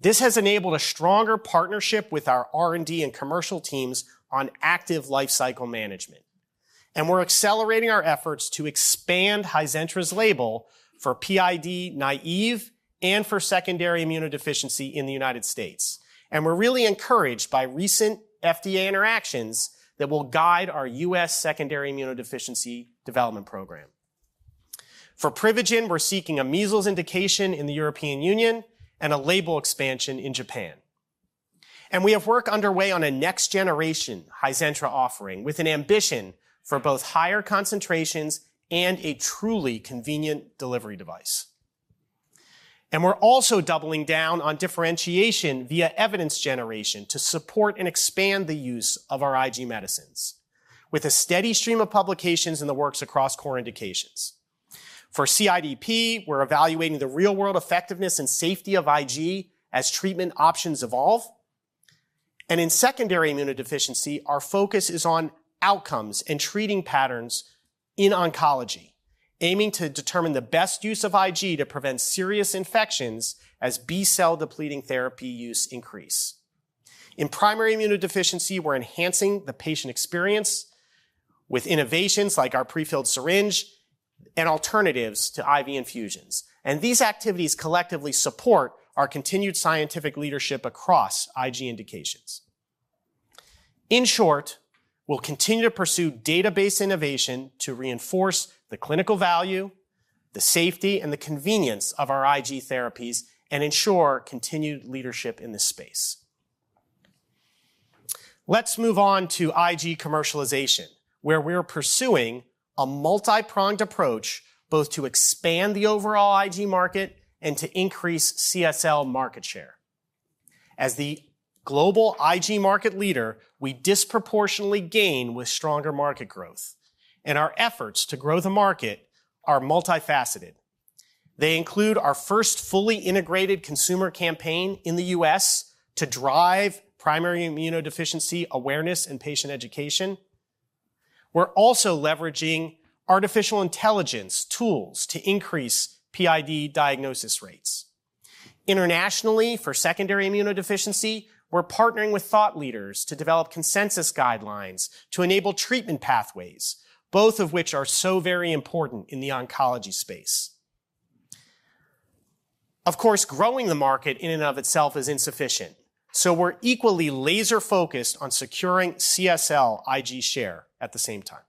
This has enabled a stronger partnership with our R&D and commercial teams on active lifecycle management, and we're accelerating our efforts to expand Hizentra's label for PID naive and for secondary immunodeficiency in the United States. And we're really encouraged by recent FDA interactions that will guide our U.S. secondary immunodeficiency development program. For Privigen, we're seeking a measles indication in the European Union and a label expansion in Japan. And we have work underway on a next-generation Hizentra offering with an ambition for both higher concentrations and a truly convenient delivery device. And we're also doubling down on differentiation via evidence generation to support and expand the use of our IG medicines, with a steady stream of publications in the works across core indications. For CIDP, we're evaluating the real-world effectiveness and safety of IG as treatment options evolve. In secondary immunodeficiency, our focus is on outcomes and treating patterns in oncology, aiming to determine the best use of IG to prevent serious infections as B-cell depleting therapy use increases. In primary immunodeficiency, we're enhancing the patient experience with innovations like our prefilled syringe and alternatives to IV infusions. These activities collectively support our continued scientific leadership across IG indications. In short, we'll continue to pursue database innovation to reinforce the clinical value, the safety, and the convenience of our IG therapies, and ensure continued leadership in this space. Let's move on to IG commercialization, where we're pursuing a multi-pronged approach both to expand the overall IG market and to increase CSL market share. As the global IG market leader, we disproportionately gain with stronger market growth, and our efforts to grow the market are multifaceted. They include our first fully integrated consumer campaign in the U.S. to drive primary immunodeficiency awareness and patient education. We're also leveraging artificial intelligence tools to increase PID diagnosis rates. Internationally, for secondary immunodeficiency, we're partnering with thought leaders to develop consensus guidelines to enable treatment pathways, both of which are so very important in the oncology space. Of course, growing the market in and of itself is insufficient, so we're equally laser-focused on securing CSL IG share at the same time.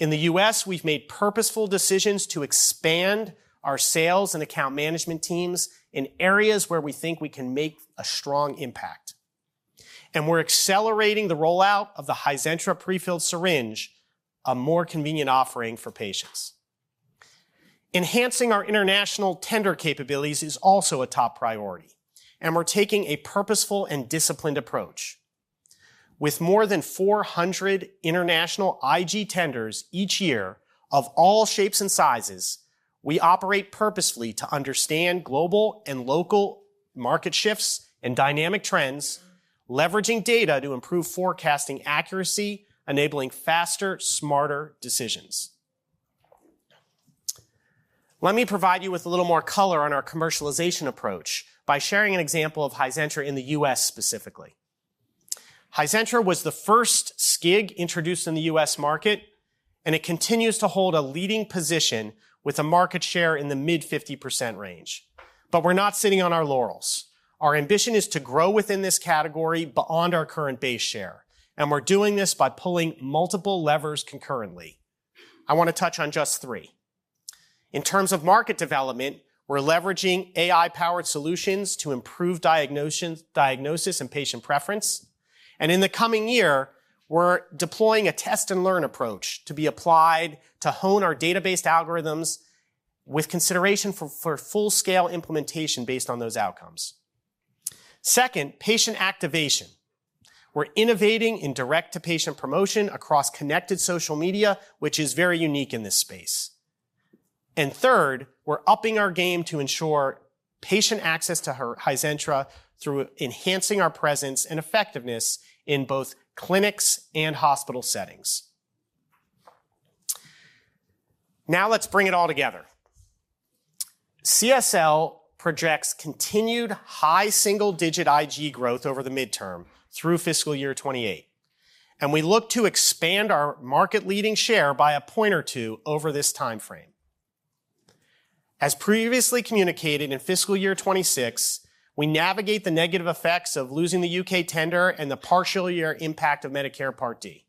In the U.S., we've made purposeful decisions to expand our sales and account management teams in areas where we think we can make a strong impact, and we're accelerating the rollout of the Hizintra prefilled syringe, a more convenient offering for patients. Enhancing our international tender capabilities is also a top priority, and we're taking a purposeful and disciplined approach. With more than 400 international IG tenders each year of all shapes and sizes, we operate purposefully to understand global and local market shifts and dynamic trends, leveraging data to improve forecasting accuracy, enabling faster, smarter decisions. Let me provide you with a little more color on our commercialization approach by sharing an example of Hizintra in the U.S. specifically. Hizintra was the first SCIG introduced in the U.S. market, and it continues to hold a leading position with a market share in the mid-50% range. But we're not sitting on our laurels. Our ambition is to grow within this category beyond our current base share, and we're doing this by pulling multiple levers concurrently. I want to touch on just three. In terms of market development, we're leveraging AI-powered solutions to improve diagnosis and patient preference. In the coming year, we're deploying a test-and-learn approach to be applied to hone our database algorithms with consideration for full-scale implementation based on those outcomes. Second, patient activation. We're innovating in direct-to-patient promotion across connected social media, which is very unique in this space. And third, we're upping our game to ensure patient access to Hizintra through enhancing our presence and effectiveness in both clinics and hospital settings. Now, let's bring it all together. CSL projects continued high single-digit IG growth over the midterm through fiscal year 2028, and we look to expand our market-leading share by a point or two over this timeframe. As previously communicated in fiscal year 2026, we navigate the negative effects of losing the U.K. tender and the partial year impact of Medicare Part D.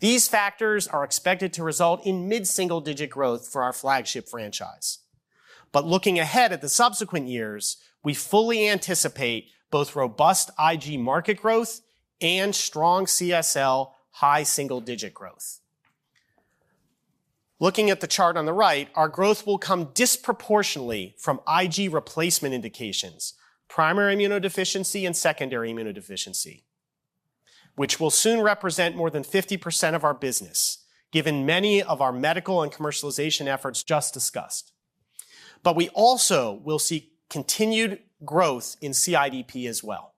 These factors are expected to result in mid-single-digit growth for our flagship franchise. But looking ahead at the subsequent years, we fully anticipate both robust IG market growth and strong CSL high single-digit growth. Looking at the chart on the right, our growth will come disproportionately from IG replacement indications, primary immunodeficiency, and secondary immunodeficiency, which will soon represent more than 50% of our business, given many of our medical and commercialization efforts just discussed. But we also will see continued growth in CIDP as well.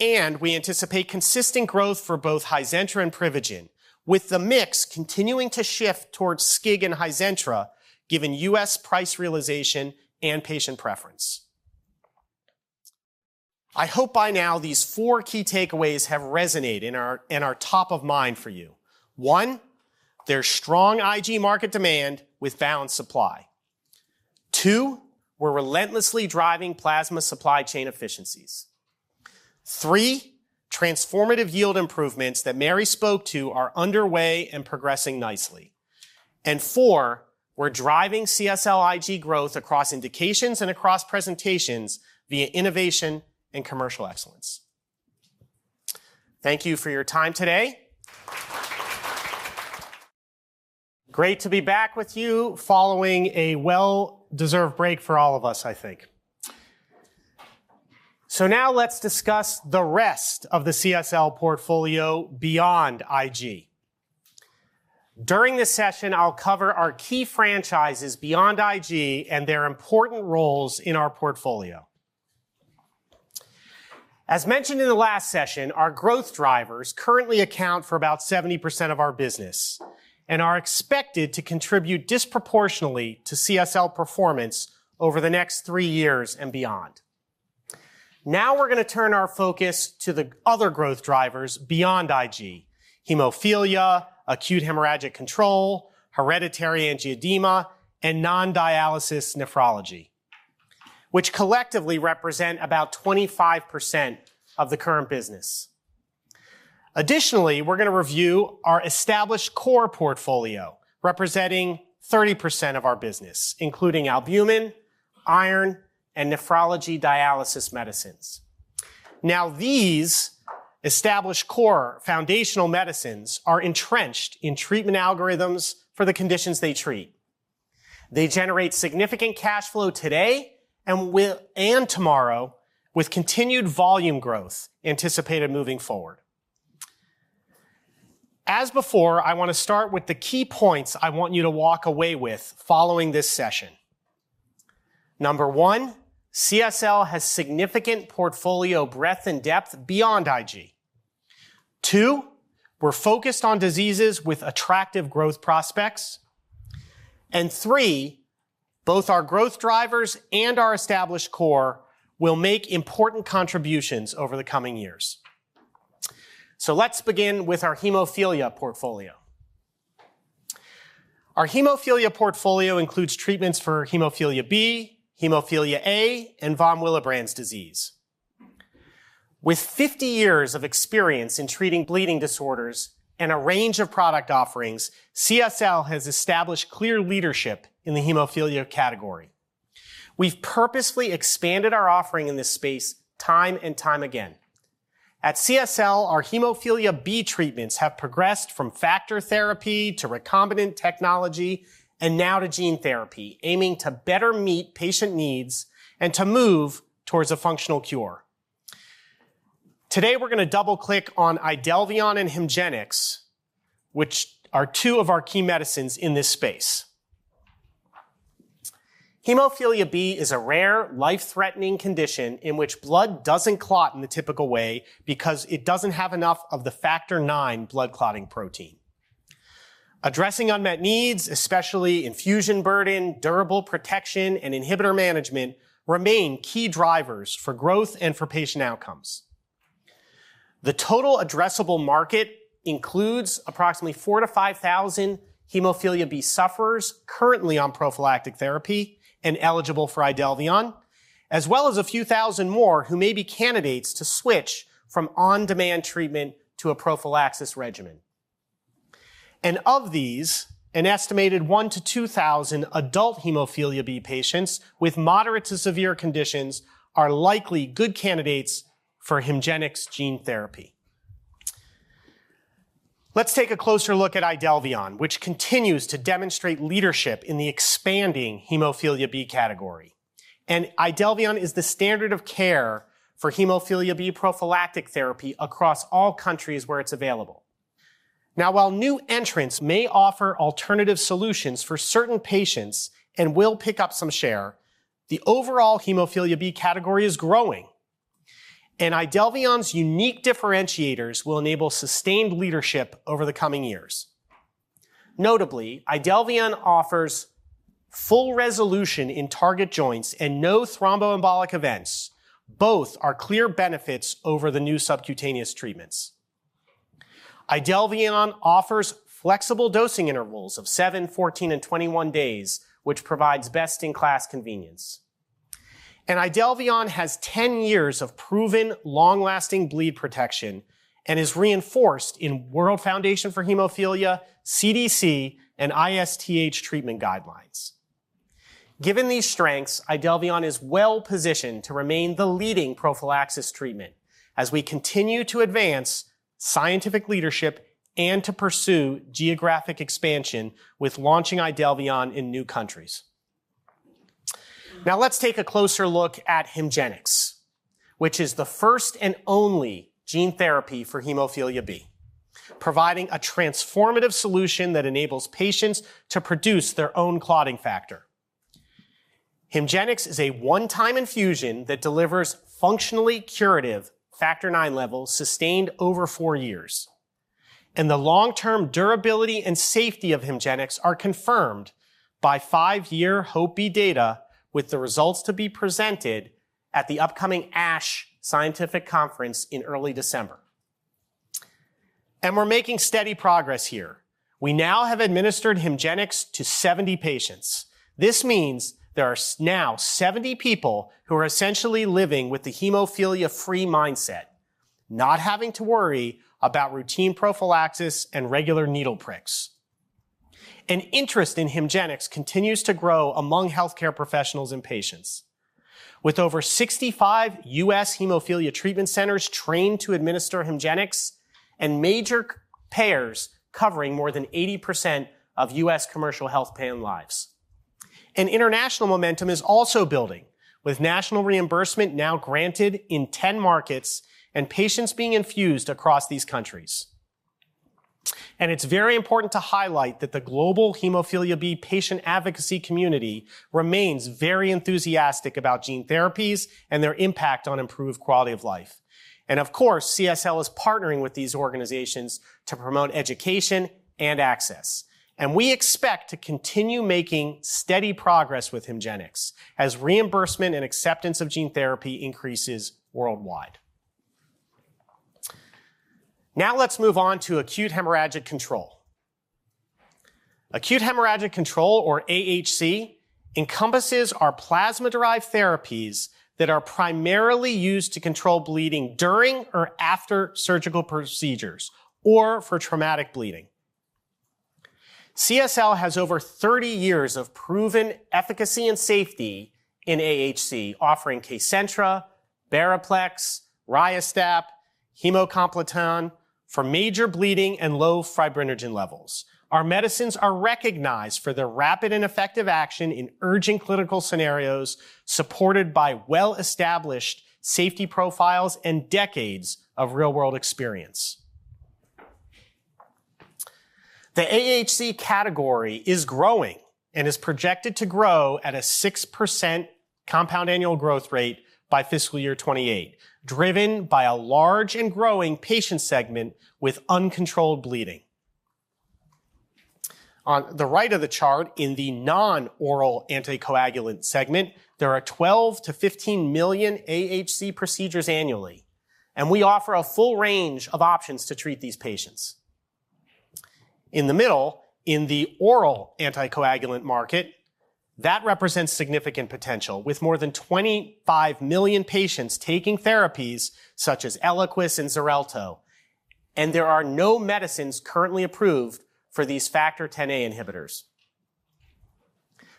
And we anticipate consistent growth for both Hizentra and Privigen, with the mix continuing to shift towards SCIG and Hizentra, given U.S. price realization and patient preference. I hope by now these four key takeaways have resonated and are top of mind for you. One, there's strong IG market demand with balanced supply. Two, we're relentlessly driving plasma supply chain efficiencies. Three, transformative yield improvements that Mary spoke to are underway and progressing nicely. And four, we're driving CSL IG growth across indications and across presentations via innovation and commercial excellence. Thank you for your time today. Great to be back with you following a well-deserved break for all of us, I think. So now let's discuss the rest of the CSL portfolio beyond IG. During this session, I'll cover our key franchises beyond IG and their important roles in our portfolio. As mentioned in the last session, our growth drivers currently account for about 70% of our business and are expected to contribute disproportionately to CSL performance over the next three years and beyond. Now we're going to turn our focus to the other growth drivers beyond IG: hemophilia, acute hemorrhagic control, hereditary angioedema, and non-dialysis nephrology, which collectively represent about 25% of the current business. Additionally, we're going to review our established core portfolio representing 30% of our business, including albumin, iron, and nephrology dialysis medicines. Now, these established core foundational medicines are entrenched in treatment algorithms for the conditions they treat. They generate significant cash flow today and tomorrow with continued volume growth anticipated moving forward. As before, I want to start with the key points I want you to walk away with following this session. Number one, CSL has significant portfolio breadth and depth beyond IG. Two, we're focused on diseases with attractive growth prospects. And three, both our growth drivers and our established core will make important contributions over the coming years. So let's begin with our hemophilia portfolio. Our hemophilia portfolio includes treatments for hemophilia B, hemophilia A, and von Willebrand's disease. With 50 years of experience in treating bleeding disorders and a range of product offerings, CSL has established clear leadership in the hemophilia category. We've purposefully expanded our offering in this space time and time again. At CSL, our hemophilia B treatments have progressed from factor therapy to recombinant technology and now to gene therapy, aiming to better meet patient needs and to move towards a functional cure. Today, we're going to double-click on Idelvion and HEMGENIX, which are two of our key medicines in this space. Hemophilia B is a rare, life-threatening condition in which blood doesn't clot in the typical way because it doesn't have enough of the factor IX blood clotting protein. Addressing unmet needs, especially infusion burden, durable protection, and inhibitor management, remain key drivers for growth and for patient outcomes. The total addressable market includes approximately 4,000 to 5,000 hemophilia B sufferers currently on prophylactic therapy and eligible for Idelvion, as well as a few thousand more who may be candidates to switch from on-demand treatment to a prophylaxis regimen, and of these, an estimated 1,000 to 2,000 adult hemophilia B patients with moderate to severe conditions are likely good candidates for HEMGENIX gene therapy. Let's take a closer look at Idelvion, which continues to demonstrate leadership in the expanding hemophilia B category, and Idelvion is the standard of care for hemophilia B prophylactic therapy across all countries where it's available. Now, while new entrants may offer alternative solutions for certain patients and will pick up some share, the overall hemophilia B category is growing, and Idelvion's unique differentiators will enable sustained leadership over the coming years. Notably, Idelvion offers full resolution in target joints and no thromboembolic events, both are clear benefits over the new subcutaneous treatments. Idelvion offers flexible dosing intervals of seven, 14, and 21 days, which provides best-in-class convenience. And Idelvion has 10 years of proven long-lasting bleed protection and is reinforced in World Federation of Hemophilia, CDC, and ISTH treatment guidelines. Given these strengths, Idelvion is well-positioned to remain the leading prophylaxis treatment as we continue to advance scientific leadership and to pursue geographic expansion with launching Idelvion in new countries. Now, let's take a closer look at HEMGENIX, which is the first and only gene therapy for hemophilia B, providing a transformative solution that enables patients to produce their own clotting factor. HEMGENIX is a one-time infusion that delivers functionally curative factor IX levels sustained over four years. The long-term durability and safety of HEMGENIX are confirmed by five-year HOPE data with the results to be presented at the upcoming ASH scientific conference in early December. We're making steady progress here. We now have administered HEMGENIX to 70 patients. This means there are now 70 people who are essentially living with the hemophilia-free mindset, not having to worry about routine prophylaxis and regular needle pricks. Interest in HEMGENIX continues to grow among healthcare professionals and patients, with over 65 U.S. hemophilia treatment centers trained to administer HEMGENIX and major payers covering more than 80% of U.S. commercial health plan lives. International momentum is also building, with national reimbursement now granted in 10 markets and patients being infused across these countries. It's very important to highlight that the global hemophilia B patient advocacy community remains very enthusiastic about gene therapies and their impact on improved quality of life. Of course, CSL is partnering with these organizations to promote education and access. We expect to continue making steady progress with Hemgenics as reimbursement and acceptance of gene therapy increases worldwide. Now, let's move on to acute hemorrhagic control. Acute hemorrhagic control, or AHC, encompasses our plasma-derived therapies that are primarily used to control bleeding during or after surgical procedures or for traumatic bleeding. CSL has over 30 years of proven efficacy and safety in AHC, offering Kcentra, Beriplex, RiaSTAP, Haemocomplettan for major bleeding and low fibrinogen levels. Our medicines are recognized for their rapid and effective action in urgent clinical scenarios, supported by well-established safety profiles and decades of real-world experience. The AHC category is growing and is projected to grow at a 6% compound annual growth rate by fiscal year 2028, driven by a large and growing patient segment with uncontrolled bleeding. On the right of the chart, in the non-oral anticoagulant segment, there are 12 to 15 million AHC procedures annually, and we offer a full range of options to treat these patients. In the middle, in the oral anticoagulant market, that represents significant potential, with more than 25 million patients taking therapies such as Eliquis and Xarelto, and there are no medicines currently approved for these factor Xa inhibitors.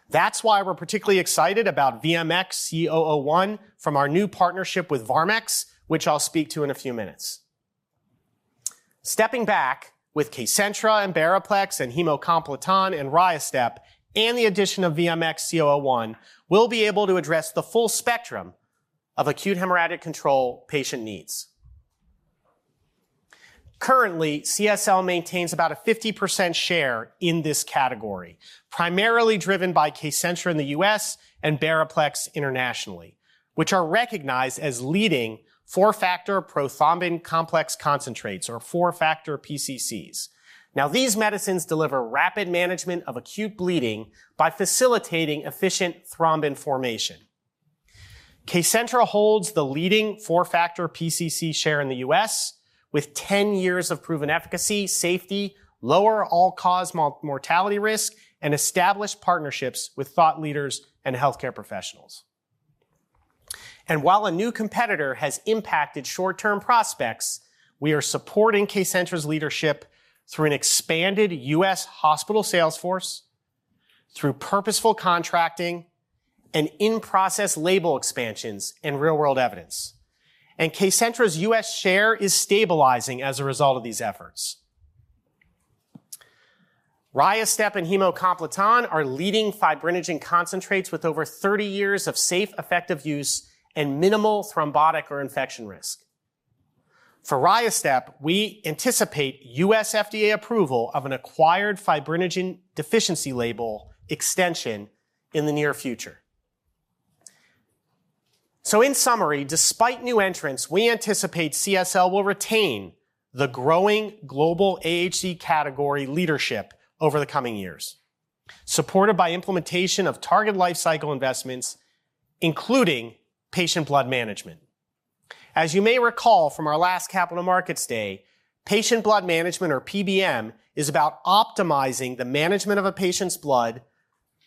That's why we're particularly excited about VMX-C001 from our new partnership with VarmX, which I'll speak to in a few minutes. Stepping back, with Kcentra and Beriplex and Haemocomplettan and Riastap and the addition of VMX-C001, we'll be able to address the full spectrum of acute hemorrhagic control patient needs. Currently, CSL maintains about a 50% share in this category, primarily driven by Kcentra in the U.S. and Beriplex internationally, which are recognized as leading four-factor prothrombin complex concentrates, or four-factor PCCs. Now, these medicines deliver rapid management of acute bleeding by facilitating efficient thrombin formation. Kcentra holds the leading four-factor PCC share in the U.S., with 10 years of proven efficacy, safety, lower all-cause mortality risk, and established partnerships with thought leaders and healthcare professionals. And while a new competitor has impacted short-term prospects, we are supporting Kcentra's leadership through an expanded U.S. hospital sales force, through purposeful contracting, and in-process label expansions and real-world evidence. And Kcentra's U.S. share is stabilizing as a result of these efforts. Ristap and Haemocomplettan are leading fibrinogen concentrates with over 30 years of safe, effective use and minimal thrombotic or infection risk. For Ristap, we anticipate U.S. FDA approval of an acquired fibrinogen deficiency label extension in the near future. So in summary, despite new entrants, we anticipate CSL will retain the growing global AHC category leadership over the coming years, supported by implementation of target lifecycle investments, including patient blood management. As you may recall from our last Capital Markets Day, patient blood management, or PBM, is about optimizing the management of a patient's blood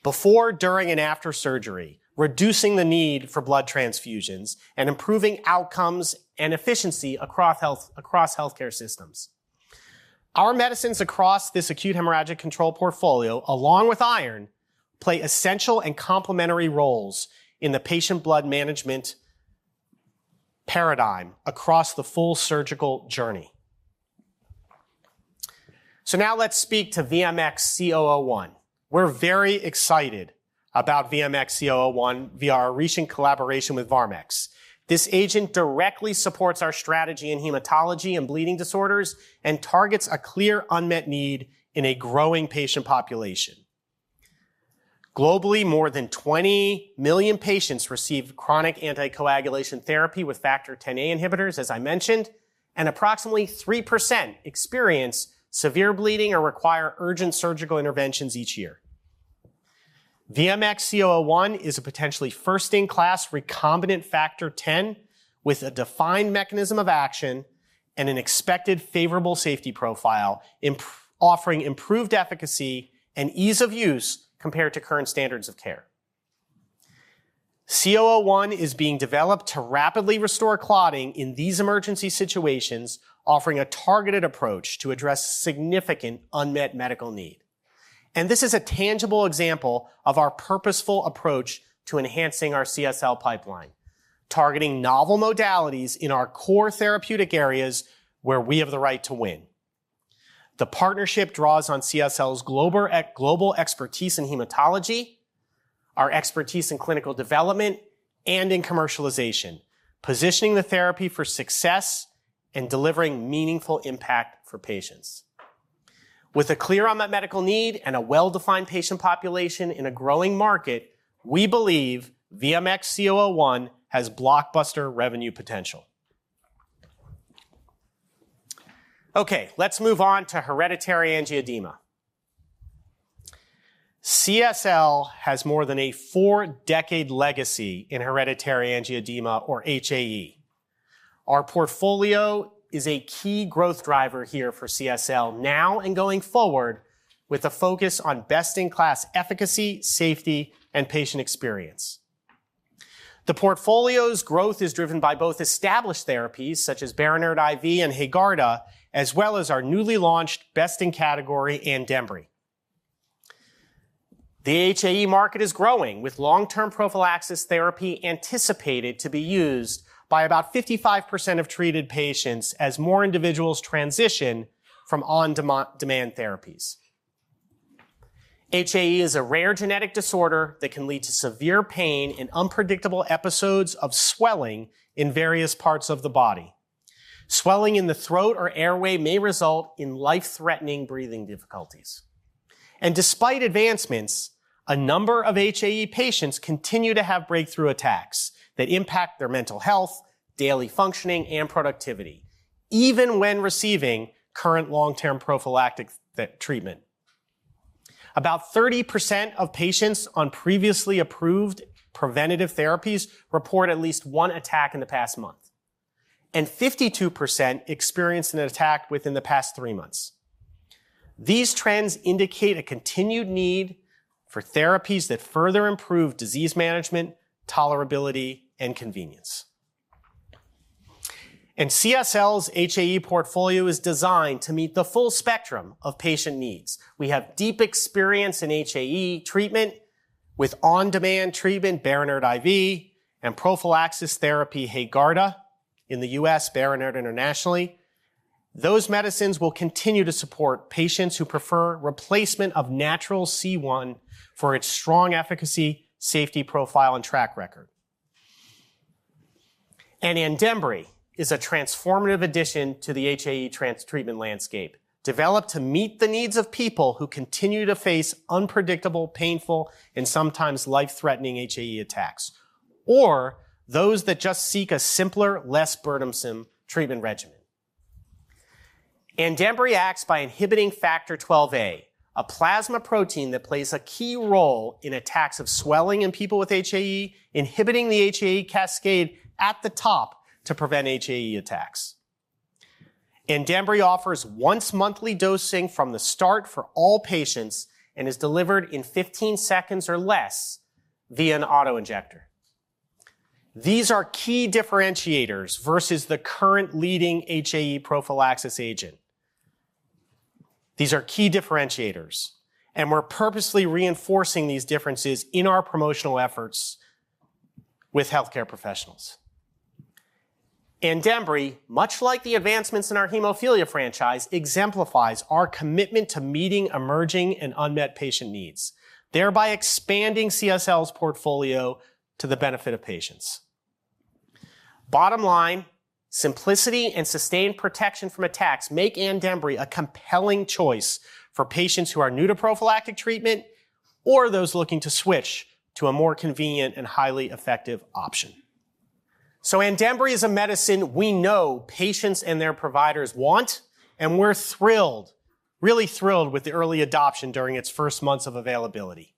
before, during, and after surgery, reducing the need for blood transfusions and improving outcomes and efficiency across healthcare systems. Our medicines across this acute hemorrhagic control portfolio, along with iron, play essential and complementary roles in the patient blood management paradigm across the full surgical journey. So now let's speak to VMX-C001. We're very excited about VMX-C001 via our recent collaboration with VarmX. This agent directly supports our strategy in hematology and bleeding disorders and targets a clear unmet need in a growing patient population. Globally, more than 20 million patients receive chronic anticoagulation therapy with factor Xa inhibitors, as I mentioned, and approximately 3% experience severe bleeding or require urgent surgical interventions each year. VMX-C001 is a potentially first-in-class recombinant factor X with a defined mechanism of action and an expected favorable safety profile, offering improved efficacy and ease of use compared to current standards of care. C001 is being developed to rapidly restore clotting in these emergency situations, offering a targeted approach to address significant unmet medical need, and this is a tangible example of our purposeful approach to enhancing our CSL pipeline, targeting novel modalities in our core therapeutic areas where we have the right to win. The partnership draws on CSL's global expertise in hematology, our expertise in clinical development, and in commercialization, positioning the therapy for success and delivering meaningful impact for patients. With a clear unmet medical need and a well-defined patient population in a growing market, we believe VMX-C001 has blockbuster revenue potential. Okay, let's move on to hereditary angioedema. CSL has more than a four-decade legacy in hereditary angioedema, or HAE. Our portfolio is a key growth driver here for CSL now and going forward, with a focus on best-in-class efficacy, safety, and patient experience. The portfolio's growth is driven by both established therapies such as Berinert IV and Haegarda, as well as our newly launched best-in-category Andembry. The HAE market is growing, with long-term prophylaxis therapy anticipated to be used by about 55% of treated patients as more individuals transition from on-demand therapies. HAE is a rare genetic disorder that can lead to severe pain and unpredictable episodes of swelling in various parts of the body. Swelling in the throat or airway may result in life-threatening breathing difficulties and despite advancements, a number of HAE patients continue to have breakthrough attacks that impact their mental health, daily functioning, and productivity, even when receiving current long-term prophylactic treatment. About 30% of patients on previously approved preventative therapies report at least one attack in the past month, and 52% experienced an attack within the past three months. These trends indicate a continued need for therapies that further improve disease management, tolerability, and convenience and CSL's HAE portfolio is designed to meet the full spectrum of patient needs. We have deep experience in HAE treatment with on-demand treatment, Berinert IV, and prophylaxis therapy Haegarda in the U.S., Berinert internationally. Those medicines will continue to support patients who prefer replacement of natural C1 for its strong efficacy, safety profile, and track record, and Andembry is a transformative addition to the HAE treatment landscape, developed to meet the needs of people who continue to face unpredictable, painful, and sometimes life-threatening HAE attacks, or those that just seek a simpler, less burdensome treatment regimen. Andembry acts by inhibiting factor XIIa, a plasma protein that plays a key role in attacks of swelling in people with HAE, inhibiting the HAE cascade at the top to prevent HAE attacks. Andembry offers once-monthly dosing from the start for all patients and is delivered in 15 seconds or less via an autoinjector. These are key differentiators versus the current leading HAE prophylaxis agent. These are key differentiators, and we're purposely reinforcing these differences in our promotional efforts with healthcare professionals. Andembry, much like the advancements in our hemophilia franchise, exemplifies our commitment to meeting emerging and unmet patient needs, thereby expanding CSL's portfolio to the benefit of patients. Bottom line, simplicity and sustained protection from attacks make Andembry a compelling choice for patients who are new to prophylactic treatment or those looking to switch to a more convenient and highly effective option. So Andembry is a medicine we know patients and their providers want, and we're thrilled, really thrilled with the early adoption during its first months of availability.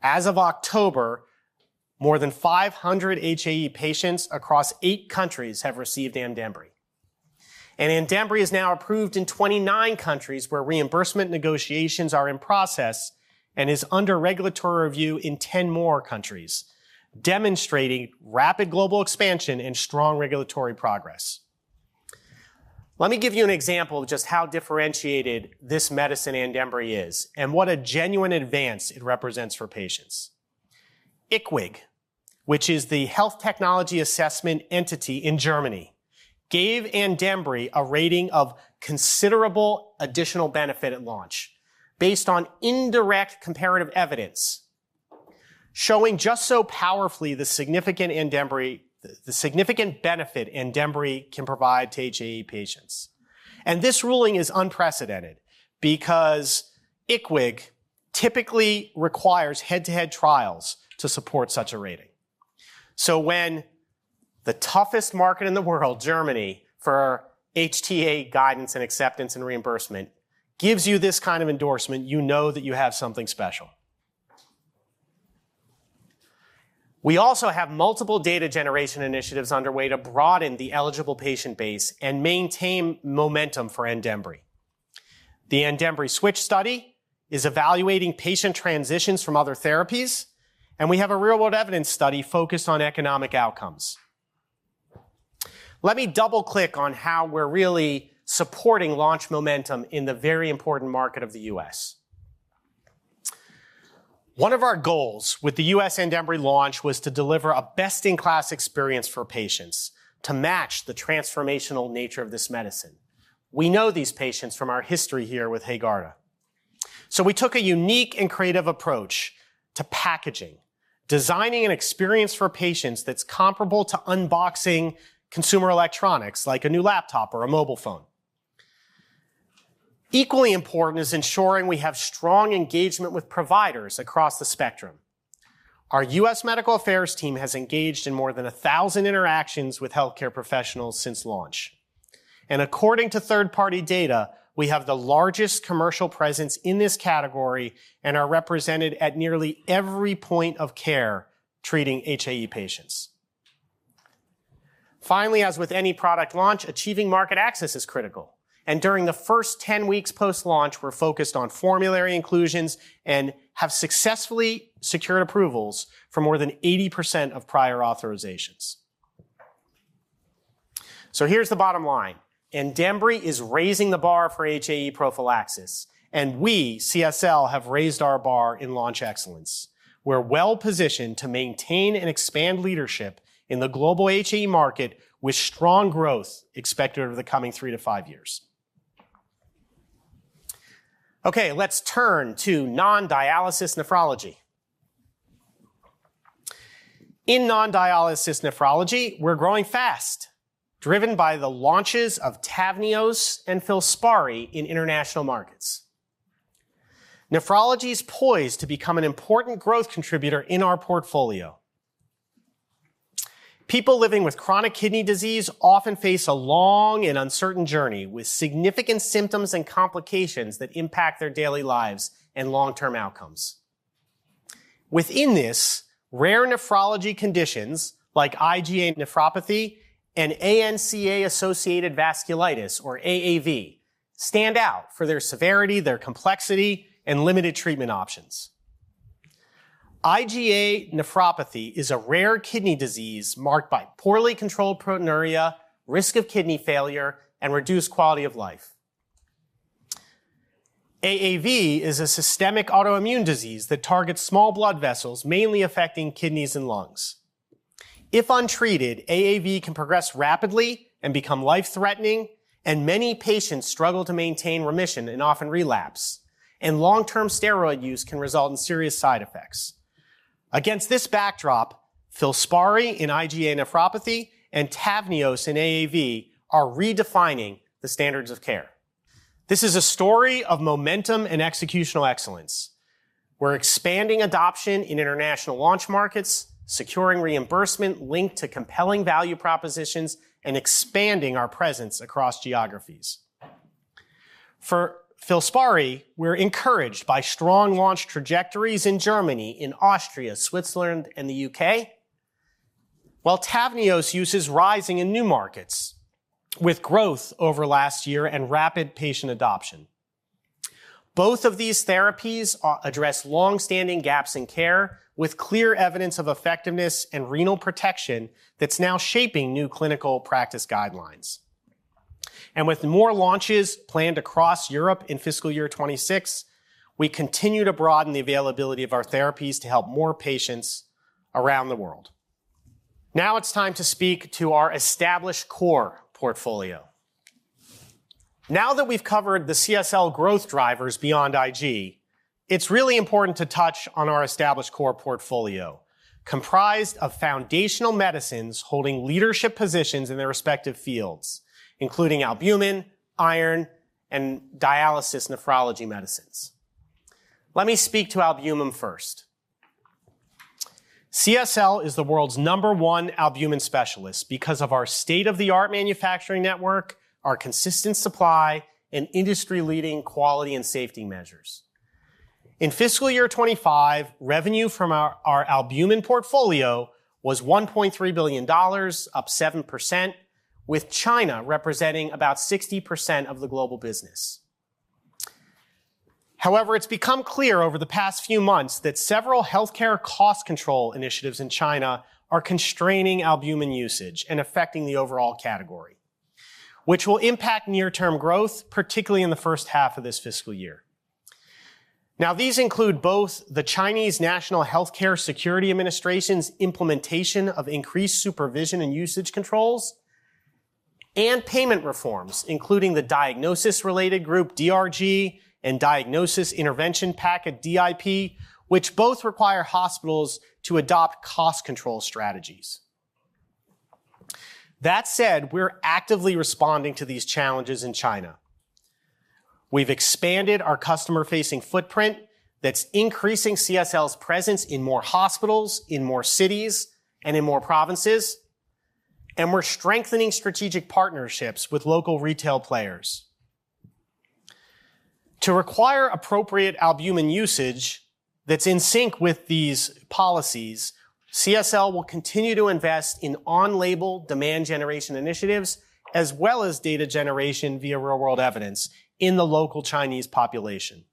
As of October, more than 500 HAE patients across eight countries have received Andembry. Andembry is now approved in 29 countries where reimbursement negotiations are in process and is under regulatory review in 10 more countries, demonstrating rapid global expansion and strong regulatory progress. Let me give you an example of just how differentiated this medicine, Andembry, is and what a genuine advance it represents for patients. IQWiG, which is the health technology assessment entity in Germany, gave Andembry a rating of considerable additional benefit at launch based on indirect comparative evidence, showing just so powerfully the significant benefit Andembry can provide to HAE patients, and this ruling is unprecedented because IQWiG typically requires head-to-head trials to support such a rating, so when the toughest market in the world, Germany, for HTA guidance and acceptance and reimbursement gives you this kind of endorsement, you know that you have something special. We also have multiple data generation initiatives underway to broaden the eligible patient base and maintain momentum for Andembry. The Andembry switch study is evaluating patient transitions from other therapies, and we have a real-world evidence study focused on economic outcomes. Let me double-click on how we're really supporting launch momentum in the very important market of the U.S. One of our goals with the U.S. Andembry launch was to deliver a best-in-class experience for patients to match the transformational nature of this medicine. We know these patients from our history here with Haegarda. So we took a unique and creative approach to packaging, designing an experience for patients that's comparable to unboxing consumer electronics like a new laptop or a mobile phone. Equally important is ensuring we have strong engagement with providers across the spectrum. Our U.S. Medical Affairs team has engaged in more than 1,000 interactions with healthcare professionals since launch. And according to third-party data, we have the largest commercial presence in this category and are represented at nearly every point of care treating HAE patients. Finally, as with any product launch, achieving market access is critical. And during the first 10 weeks post-launch, we're focused on formulary inclusions and have successfully secured approvals for more than 80% of prior authorizations. So here's the bottom line. Andembry is raising the bar for HAE prophylaxis, and we, CSL, have raised our bar in launch excellence. We're well-positioned to maintain and expand leadership in the global HAE market with strong growth expected over the coming three to five years. Okay, let's turn to non-dialysis nephrology. In non-dialysis nephrology, we're growing fast, driven by the launches of TAVNEOS and Filspari in international markets. Nephrology is poised to become an important growth contributor in our portfolio. People living with chronic kidney disease often face a long and uncertain journey with significant symptoms and complications that impact their daily lives and long-term outcomes. Within this, rare nephrology conditions like IgA nephropathy and ANCA-associated vasculitis, or AAV, stand out for their severity, their complexity, and limited treatment options. IgA nephropathy is a rare kidney disease marked by poorly controlled proteinuria, risk of kidney failure, and reduced quality of life. AAV is a systemic autoimmune disease that targets small blood vessels, mainly affecting kidneys and lungs. If untreated, AAV can progress rapidly and become life-threatening, and many patients struggle to maintain remission and often relapse, and long-term steroid use can result in serious side effects. Against this backdrop, Filspari in IgA nephropathy and TAVNEOS in AAV are redefining the standards of care. This is a story of momentum and executional excellence. We're expanding adoption in international launch markets, securing reimbursement linked to compelling value propositions, and expanding our presence across geographies. For Filspari, we're encouraged by strong launch trajectories in Germany, in Austria, Switzerland, and the U.K., while TAVNEOS usage is rising in new markets with growth over last year and rapid patient adoption. Both of these therapies address long-standing gaps in care with clear evidence of effectiveness and renal protection that's now shaping new clinical practice guidelines, and with more launches planned across Europe in fiscal year 2026, we continue to broaden the availability of our therapies to help more patients around the world. Now it's time to speak to our established core portfolio. Now that we've covered the CSL growth drivers beyond Ig, it's really important to touch on our established core portfolio, comprised of foundational medicines holding leadership positions in their respective fields, including albumin, iron, and dialysis nephrology medicines. Let me speak to albumin first. CSL is the world's number one albumin specialist because of our state-of-the-art manufacturing network, our consistent supply, and industry-leading quality and safety measures. In fiscal year 2025, revenue from our albumin portfolio was $1.3 billion, up 7%, with China representing about 60% of the global business. However, it's become clear over the past few months that several healthcare cost control initiatives in China are constraining albumin usage and affecting the overall category, which will impact near-term growth, particularly in the first half of this fiscal year. Now, these include both the Chinese National Healthcare Security Administration's implementation of increased supervision and usage controls, and payment reforms, including the Diagnosis Related Group, DRG, and Diagnosis Intervention Packet, DIP, which both require hospitals to adopt cost control strategies. That said, we're actively responding to these challenges in China. We've expanded our customer-facing footprint that's increasing CSL's presence in more hospitals, in more cities, and in more provinces, and we're strengthening strategic partnerships with local retail players. To require appropriate albumin usage that's in sync with these policies, CSL will continue to invest in on-label demand generation initiatives, as well as data generation via real-world evidence in the local Chinese population.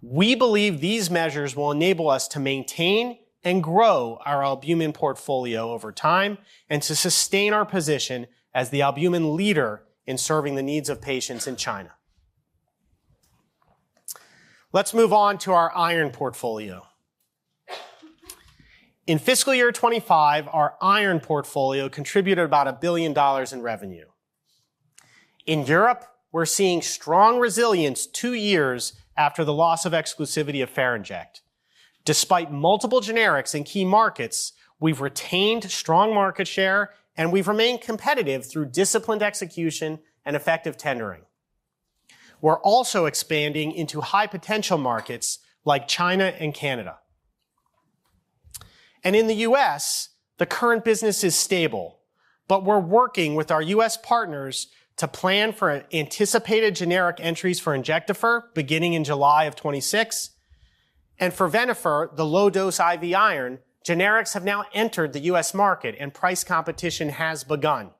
We believe these measures will enable us to maintain and grow our albumin portfolio over time and to sustain our position as the albumin leader in serving the needs of patients in China. Let's move on to our iron portfolio. In fiscal year 2025, our iron portfolio contributed about $1 billion in revenue. In Europe, we're seeing strong resilience two years after the loss of exclusivity of Ferinject. Despite multiple generics in key markets, we've retained strong market share, and we've remained competitive through disciplined execution and effective tendering. We're also expanding into high-potential markets like China and Canada, and in the U.S., the current business is stable, but we're working with our U.S. partners to plan for anticipated generic entries for Injectafer beginning in July of 2026, and for Venofer, the low-dose IV iron, generics have now entered the U.S. market, and price competition has begun.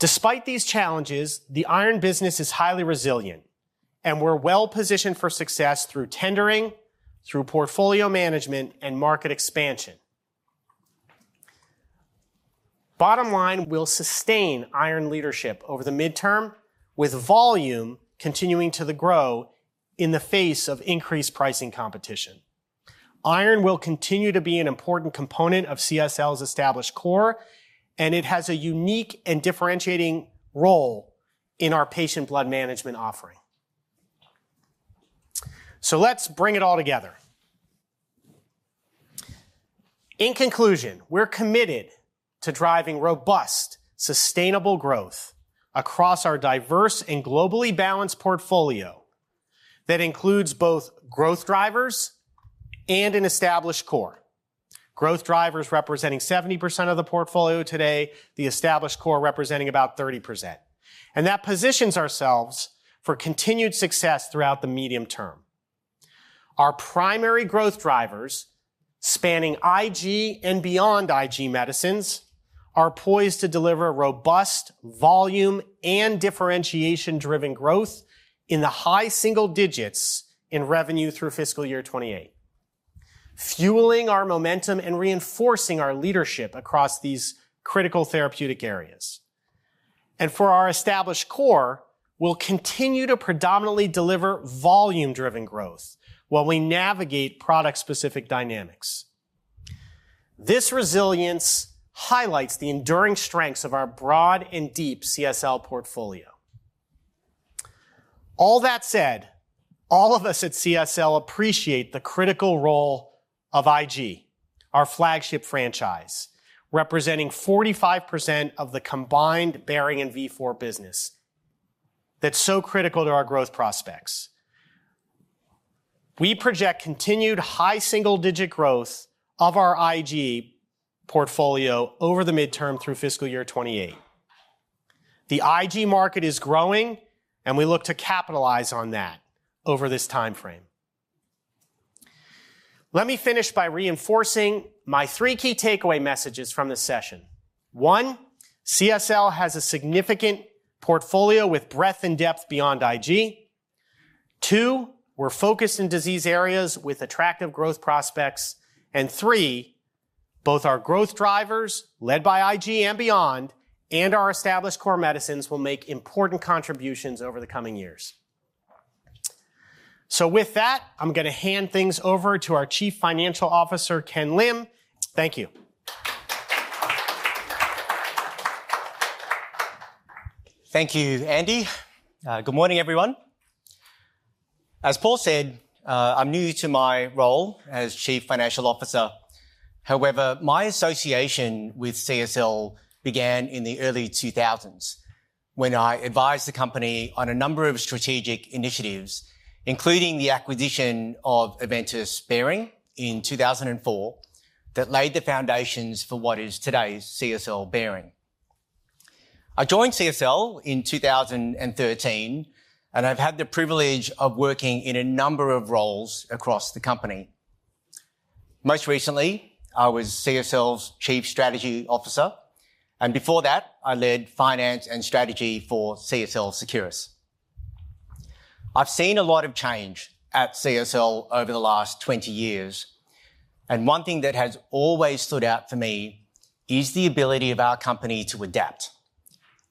Despite these challenges, the iron business is highly resilient, and we're well-positioned for success through tendering, through portfolio management, and market expansion. Bottom line, we'll sustain iron leadership over the midterm, with volume continuing to grow in the face of increased pricing competition. Iron will continue to be an important component of CSL's established core, and it has a unique and differentiating role in our patient blood management offering. So let's bring it all together. In conclusion, we're committed to driving robust, sustainable growth across our diverse and globally balanced portfolio that includes both growth drivers and an established core. Growth drivers representing 70% of the portfolio today, the established core representing about 30%. And that positions ourselves for continued success throughout the medium term. Our primary growth drivers, spanning Ig and beyond Ig medicines, are poised to deliver robust volume and differentiation-driven growth in the high single digits in revenue through fiscal year 2028, fueling our momentum and reinforcing our leadership across these critical therapeutic areas. And for our established core, we'll continue to predominantly deliver volume-driven growth while we navigate product-specific dynamics. This resilience highlights the enduring strengths of our broad and deep CSL portfolio. All that said, all of us at CSL appreciate the critical role of Ig, our flagship franchise, representing 45% of the combined Behring and Vifor business that's so critical to our growth prospects. We project continued high single-digit growth of our Ig portfolio over the midterm through fiscal year 2028. The Ig market is growing, and we look to capitalize on that over this timeframe. Let me finish by reinforcing my three key takeaway messages from this session. One, CSL has a significant portfolio with breadth and depth beyond Ig. Two, we're focused in disease areas with attractive growth prospects. And three, both our growth drivers, led by Ig and beyond, and our established core medicines will make important contributions over the coming years. So with that, I'm going to hand things over to our Chief Financial Officer, Ken Lim. Thank you. Thank you, Andy. Good morning, everyone. As Paul said, I'm new to my role as Chief Financial Officer. However, my association with CSL began in the early 2000s when I advised the company on a number of strategic initiatives, including the acquisition of Aventis Behring in 2004 that laid the foundations for what is today's CSL Behring. I joined CSL in 2013, and I've had the privilege of working in a number of roles across the company. Most recently, I was CSL's Chief Strategy Officer, and before that, I led finance and strategy for CSL Seqirus. I've seen a lot of change at CSL over the last 20 years, and one thing that has always stood out for me is the ability of our company to adapt,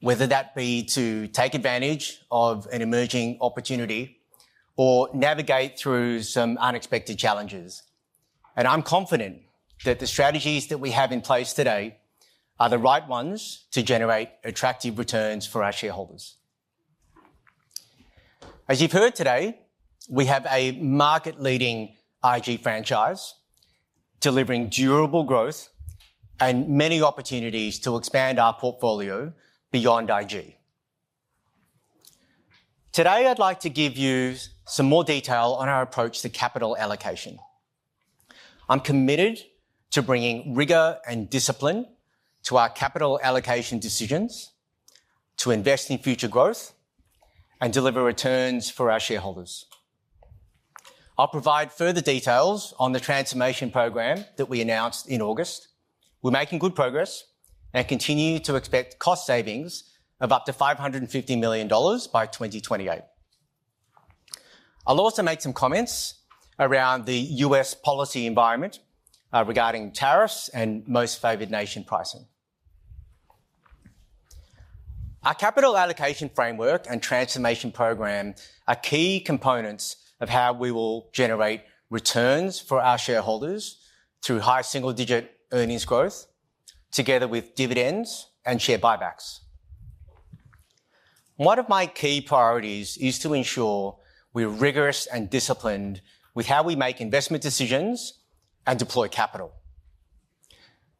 whether that be to take advantage of an emerging opportunity or navigate through some unexpected challenges. I'm confident that the strategies that we have in place today are the right ones to generate attractive returns for our shareholders. As you've heard today, we have a market-leading Ig franchise delivering durable growth and many opportunities to expand our portfolio beyond Ig. Today, I'd like to give you some more detail on our approach to capital allocation. I'm committed to bringing rigor and discipline to our capital allocation decisions, to invest in future growth, and deliver returns for our shareholders. I'll provide further details on the transformation program that we announced in August. We're making good progress and continue to expect cost savings of up to $550 million by 2028. I'll also make some comments around the U.S. policy environment regarding tariffs and most-favored-nation pricing. Our capital allocation framework and transformation program are key components of how we will generate returns for our shareholders through high single-digit earnings growth, together with dividends and share buybacks. One of my key priorities is to ensure we're rigorous and disciplined with how we make investment decisions and deploy capital.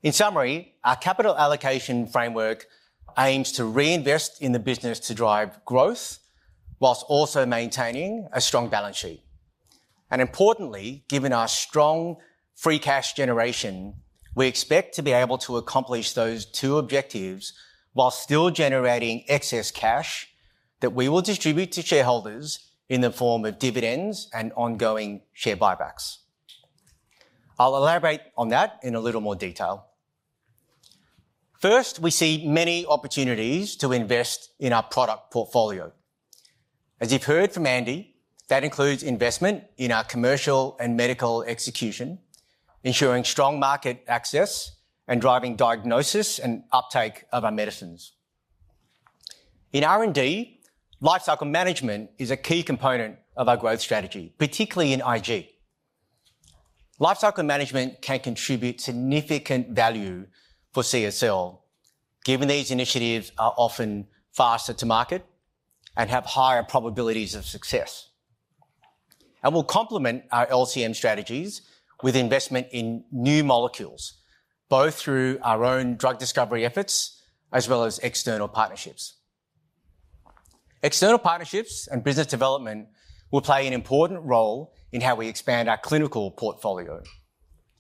In summary, our capital allocation framework aims to reinvest in the business to drive growth while also maintaining a strong balance sheet, and importantly, given our strong free cash generation, we expect to be able to accomplish those two objectives while still generating excess cash that we will distribute to shareholders in the form of dividends and ongoing share buybacks. I'll elaborate on that in a little more detail. First, we see many opportunities to invest in our product portfolio. As you've heard from Andy, that includes investment in our commercial and medical execution, ensuring strong market access and driving diagnosis and uptake of our medicines. In R&D, lifecycle management is a key component of our growth strategy, particularly in Ig. Lifecycle management can contribute significant value for CSL, given these initiatives are often faster to market and have higher probabilities of success, and we'll complement our LCM strategies with investment in new molecules, both through our own drug discovery efforts as well as external partnerships. External partnerships and business development will play an important role in how we expand our clinical portfolio,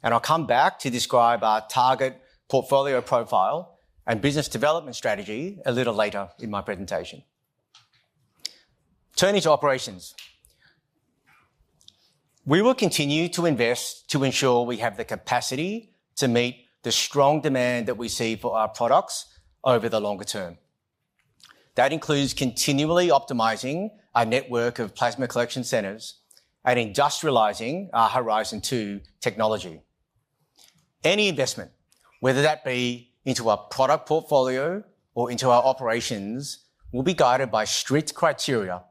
and I'll come back to describe our target portfolio profile and business development strategy a little later in my presentation. Turning to operations, we will continue to invest to ensure we have the capacity to meet the strong demand that we see for our products over the longer term. That includes continually optimizing our network of plasma collection centers and industrializing our Horizon 2 technology. Any investment, whether that be into our product portfolio or into our operations, will be guided by strict criteria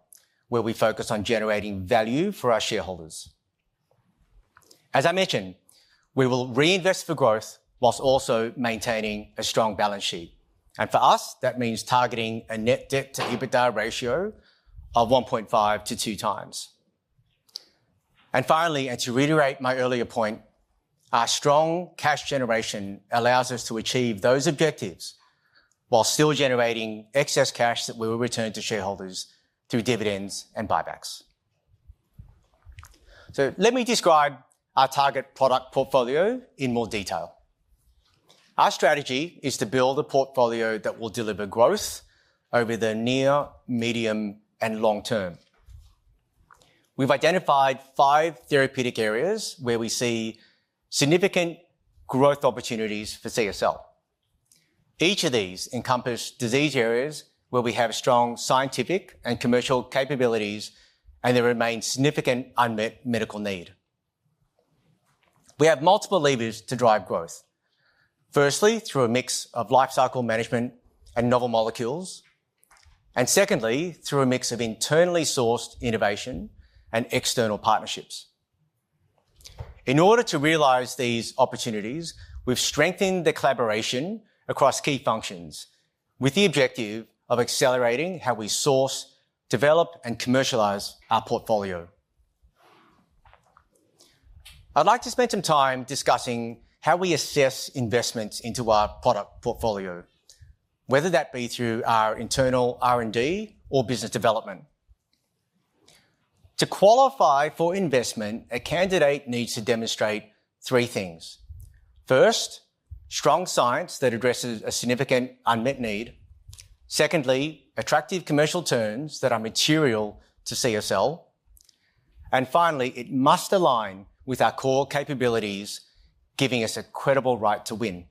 where we focus on generating value for our shareholders. As I mentioned, we will reinvest for growth while also maintaining a strong balance sheet. And for us, that means targeting a net debt-to-EBITDA ratio of 1.5-2 times. And finally, and to reiterate my earlier point, our strong cash generation allows us to achieve those objectives while still generating excess cash that we will return to shareholders through dividends and buybacks. So let me describe our target product portfolio in more detail. Our strategy is to build a portfolio that will deliver growth over the near, medium, and long term. We've identified five therapeutic areas where we see significant growth opportunities for CSL. Each of these encompasses disease areas where we have strong scientific and commercial capabilities, and there remains significant unmet medical need. We have multiple levers to drive growth, firstly through a mix of lifecycle management and novel molecules, and secondly through a mix of internally sourced innovation and external partnerships. In order to realize these opportunities, we've strengthened the collaboration across key functions with the objective of accelerating how we source, develop, and commercialize our portfolio. I'd like to spend some time discussing how we assess investments into our product portfolio, whether that be through our internal R&D or business development. To qualify for investment, a candidate needs to demonstrate three things. First, strong science that addresses a significant unmet need. Secondly, attractive commercial turns that are material to CSL. And finally, it must align with our core capabilities, giving us a credible right to win.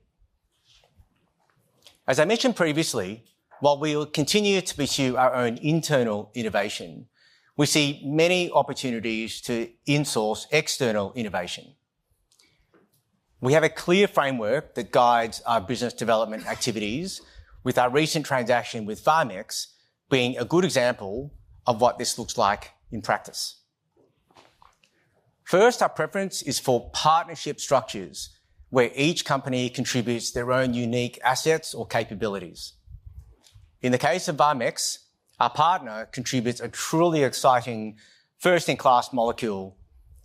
As I mentioned previously, while we will continue to pursue our own internal innovation, we see many opportunities to insource external innovation. We have a clear framework that guides our business development activities, with our recent transaction with VarmX being a good example of what this looks like in practice. First, our preference is for partnership structures where each company contributes their own unique assets or capabilities. In the case of VarmX, our partner contributes a truly exciting first-in-class molecule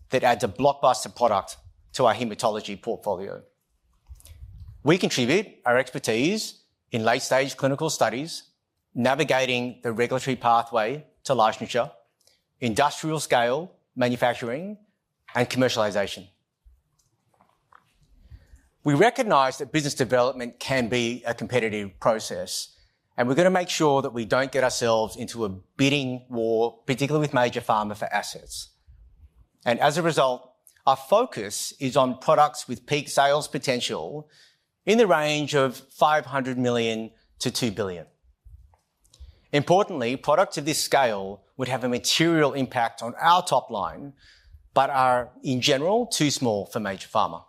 that adds a blockbuster product to our hematology portfolio. We contribute our expertise in late-stage clinical studies, navigating the regulatory pathway to licensure, industrial scale, manufacturing, and commercialization. We recognize that business development can be a competitive process, and we're going to make sure that we don't get ourselves into a bidding war, particularly with major pharma for assets. And as a result, our focus is on products with peak sales potential in the range of $500 million-$2 billion. Importantly, products of this scale would have a material impact on our top line, but are, in general, too small for major pharma.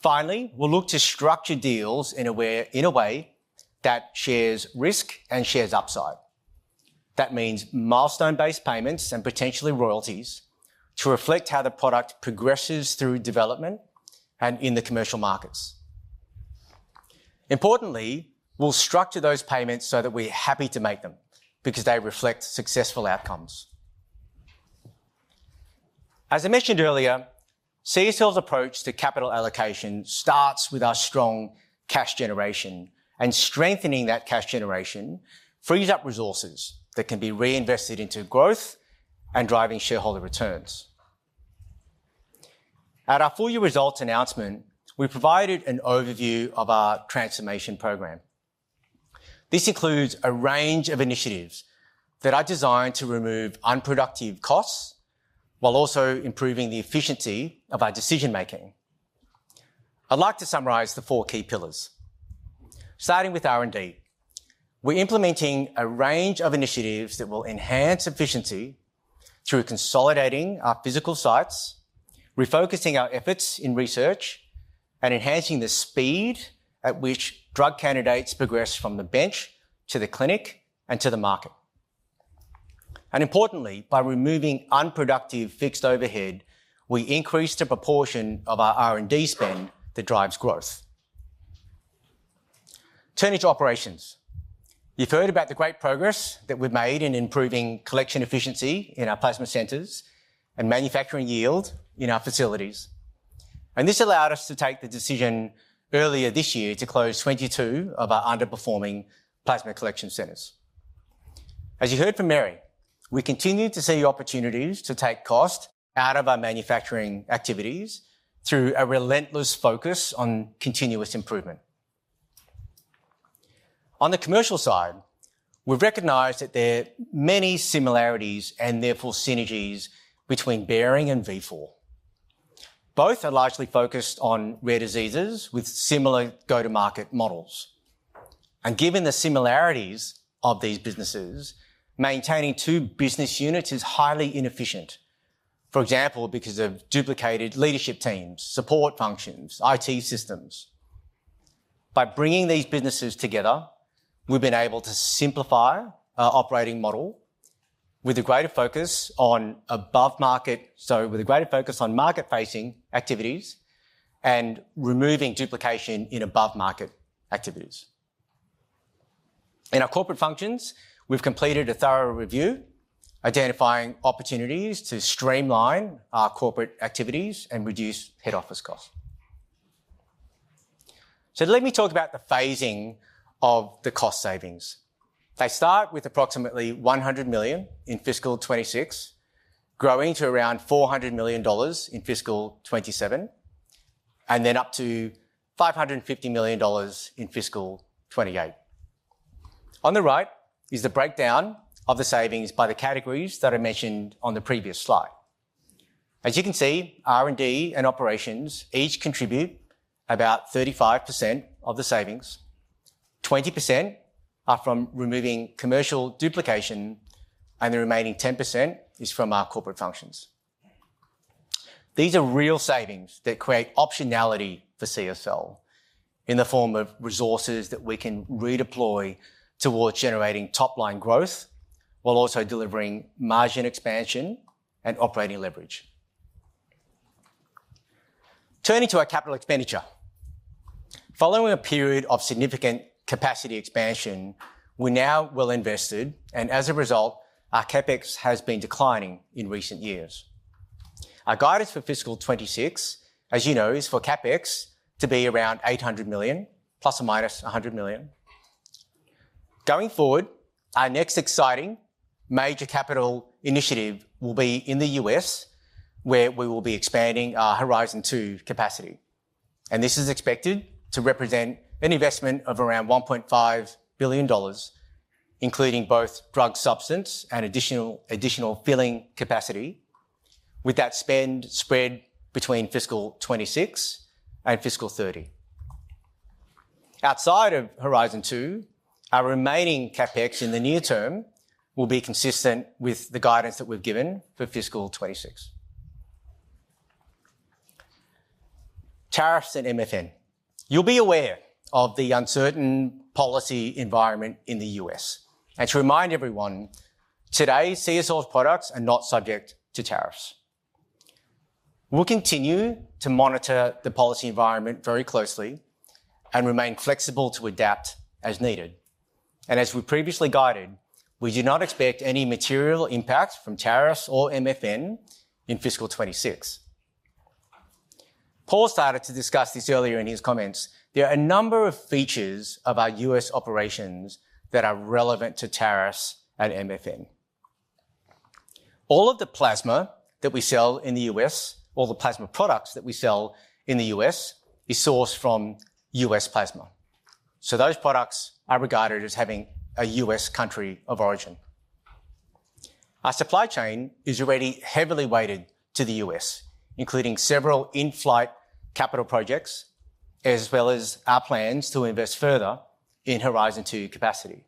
Finally, we'll look to structure deals in a way that shares risk and shares upside. That means milestone-based payments and potentially royalties to reflect how the product progresses through development and in the commercial markets. Importantly, we'll structure those payments so that we're happy to make them because they reflect successful outcomes. As I mentioned earlier, CSL's approach to capital allocation starts with our strong cash generation, and strengthening that cash generation frees up resources that can be reinvested into growth and driving shareholder returns. At our full-year results announcement, we provided an overview of our transformation program. This includes a range of initiatives that are designed to remove unproductive costs while also improving the efficiency of our decision-making. I'd like to summarize the four key pillars. Starting with R&D, we're implementing a range of initiatives that will enhance efficiency through consolidating our physical sites, refocusing our efforts in research, and enhancing the speed at which drug candidates progress from the bench to the clinic and to the market. And importantly, by removing unproductive fixed overhead, we increase the proportion of our R&D spend that drives growth. Turning to operations, you've heard about the great progress that we've made in improving collection efficiency in our plasma centers and manufacturing yield in our facilities. And this allowed us to take the decision earlier this year to close 22 of our underperforming plasma collection centers. As you heard from Mary, we continue to see opportunities to take cost out of our manufacturing activities through a relentless focus on continuous improvement. On the commercial side, we've recognized that there are many similarities and therefore synergies between Behring and Vifor. Both are largely focused on rare diseases with similar go-to-market models. And given the similarities of these businesses, maintaining two business units is highly inefficient, for example, because of duplicated leadership teams, support functions, and IT systems. By bringing these businesses together, we've been able to simplify our operating model with a greater focus on above-market, so with a greater focus on market-facing activities and removing duplication in above-market activities. In our corporate functions, we've completed a thorough review, identifying opportunities to streamline our corporate activities and reduce head office costs. Let me talk about the phasing of the cost savings. They start with approximately 100 million in fiscal 2026, growing to around 400 million dollars in fiscal 2027, and then up to 550 million dollars in fiscal 2028. On the right is the breakdown of the savings by the categories that I mentioned on the previous slide. As you can see, R&D and operations each contribute about 35% of the savings. 20% are from removing commercial duplication, and the remaining 10% is from our corporate functions. These are real savings that create optionality for CSL in the form of resources that we can redeploy towards generating top-line growth while also delivering margin expansion and operating leverage. Turning to our capital expenditure, following a period of significant capacity expansion, we now will invest it, and as a result, our CapEx has been declining in recent years. Our guidance for fiscal 2026, as you know, is for CapEx to be around $800 million, plus or minus $100 million. Going forward, our next exciting major capital initiative will be in the U.S., where we will be expanding our Horizon 2 capacity. And this is expected to represent an investment of around $1.5 billion, including both drug substance and additional filling capacity, with that spend spread between fiscal 2026 and fiscal 2030. Outside of Horizon 2, our remaining CapEx in the near term will be consistent with the guidance that we've given for fiscal 2026. Tariffs and MFN. You'll be aware of the uncertain policy environment in the U.S. And to remind everyone, today's CSL products are not subject to tariffs. We'll continue to monitor the policy environment very closely and remain flexible to adapt as needed. And as we previously guided, we do not expect any material impact from tariffs or MFN in fiscal 2026. Paul started to discuss this earlier in his comments. There are a number of features of our U.S. operations that are relevant to tariffs and MFN. All of the plasma that we sell in the U.S., all the plasma products that we sell in the U.S., is sourced from U.S. plasma. So those products are regarded as having a U.S. country of origin. Our supply chain is already heavily weighted to the U.S., including several in-flight capital projects, as well as our plans to invest further in Horizon 2 capacity.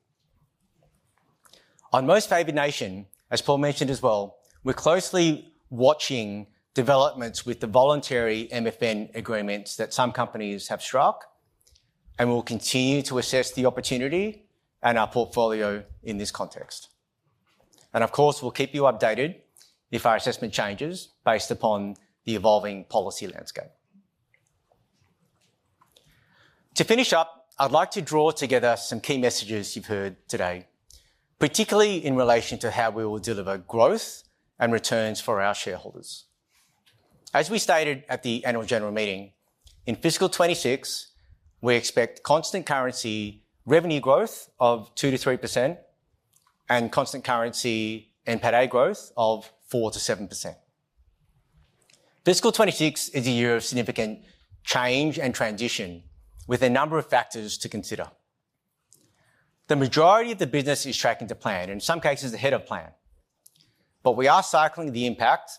On most favored nations, as Paul mentioned as well, we're closely watching developments with the voluntary MFN agreements that some companies have struck, and we'll continue to assess the opportunity and our portfolio in this context. And of course, we'll keep you updated if our assessment changes based upon the evolving policy landscape. To finish up, I'd like to draw together some key messages you've heard today, particularly in relation to how we will deliver growth and returns for our shareholders. As we stated at the annual general meeting, in fiscal 2026, we expect constant currency revenue growth of 2%-3% and constant currency NPADA growth of 4%-7%. Fiscal 26 is a year of significant change and transition, with a number of factors to consider. The majority of the business is tracking to plan, in some cases ahead of plan. But we are cycling the impact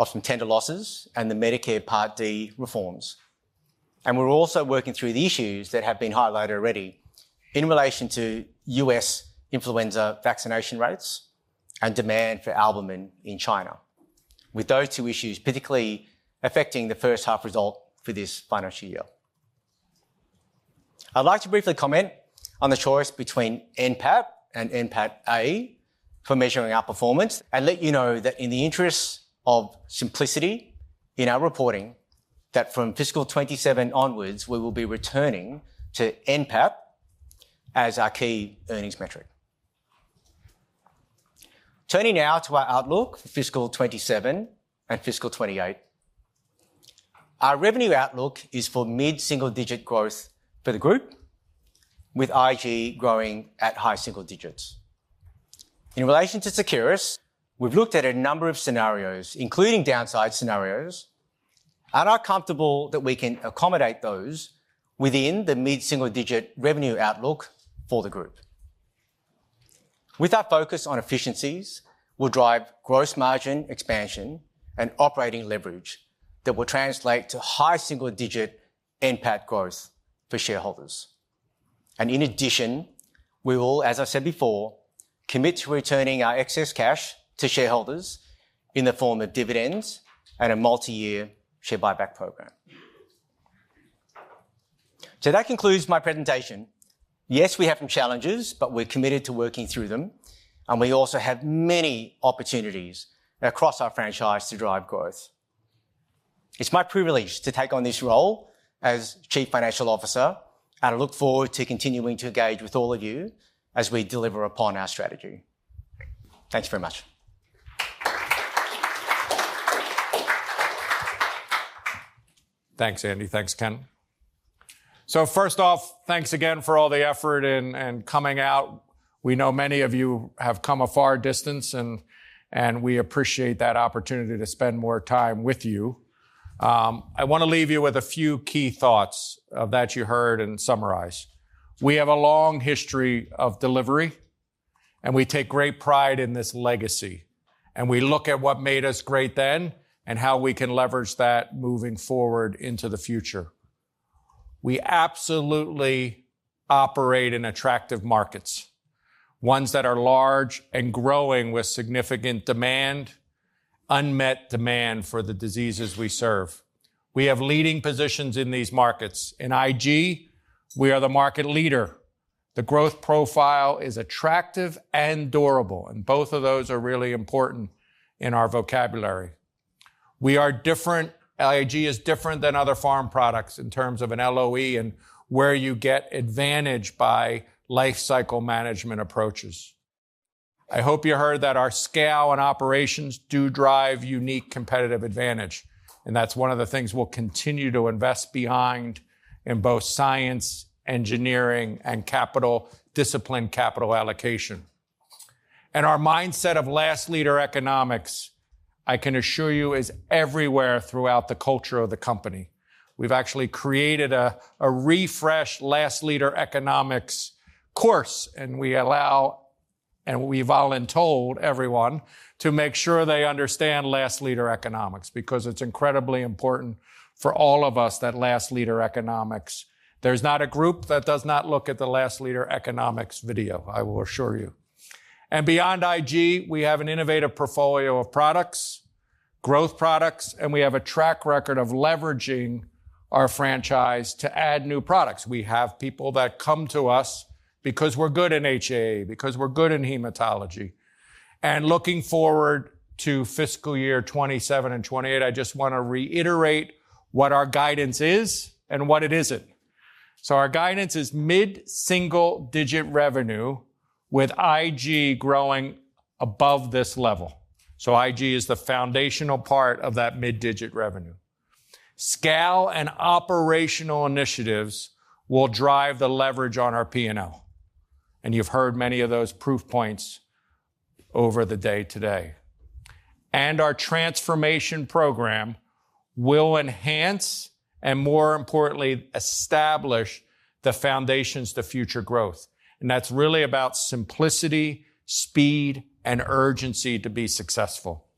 of some tender losses and the Medicare Part D reforms. And we're also working through the issues that have been highlighted already in relation to U.S. influenza vaccination rates and demand for albumin in China, with those two issues particularly affecting the first-half result for this financial year. I'd like to briefly comment on the choice between NPAT and NPATA for measuring our performance and let you know that in the interest of simplicity in our reporting, that from fiscal 27 onwards, we will be returning to NPAT as our key earnings metric. Turning now to our outlook for fiscal 2027 and fiscal 2028, our revenue outlook is for mid-single-digit growth for the group, with IG growing at high single digits. In relation to Seqirus, we've looked at a number of scenarios, including downside scenarios, and are comfortable that we can accommodate those within the mid-single-digit revenue outlook for the group. With our focus on efficiencies, we'll drive gross margin expansion and operating leverage that will translate to high single-digit NPAT growth for shareholders. And in addition, we will, as I've said before, commit to returning our excess cash to shareholders in the form of dividends and a multi-year share buyback program. So that concludes my presentation. Yes, we have some challenges, but we're committed to working through them, and we also have many opportunities across our franchise to drive growth. It's my privilege to take on this role as Chief Financial Officer, and I look forward to continuing to engage with all of you as we deliver upon our strategy. Thanks very much. Thanks, Andy. Thanks, Ken, so first off, thanks again for all the effort and coming out. We know many of you have come a far distance, and we appreciate that opportunity to spend more time with you. I want to leave you with a few key thoughts that you heard and summarize. We have a long history of delivery, and we take great pride in this legacy, and we look at what made us great then and how we can leverage that moving forward into the future. We absolutely operate in attractive markets, ones that are large and growing with significant demand, unmet demand for the diseases we serve. We have leading positions in these markets. In IG, we are the market leader. The growth profile is attractive and durable, and both of those are really important in our vocabulary. We are different. IG is different than other pharma products in terms of an LOE and where you get advantage by life cycle management approaches. I hope you heard that our scale and operations do drive unique competitive advantage, and that's one of the things we'll continue to invest behind in both science, engineering, and capital discipline, capital allocation, and our mindset of last-leader economics. I can assure you, is everywhere throughout the culture of the company. We've actually created a refreshed last-leader economics course, and we allow and we voluntold everyone to make sure they understand last-leader economics because it's incredibly important for all of us that last-leader economics. There's not a group that does not look at the last-leader economics video, I will assure you. And beyond IG, we have an innovative portfolio of products, growth products, and we have a track record of leveraging our franchise to add new products. We have people that come to us because we're good in HAA, because we're good in hematology. And looking forward to fiscal year 2027 and 2028, I just want to reiterate what our guidance is and what it isn't. So our guidance is mid-single-digit revenue with IG growing above this level. So IG is the foundational part of that mid-digit revenue. Scale and operational initiatives will drive the leverage on our P&L. And you've heard many of those proof points over the day today. And our transformation program will enhance and, more importantly, establish the foundations to future growth. And that's really about simplicity, speed, and urgency to be successful.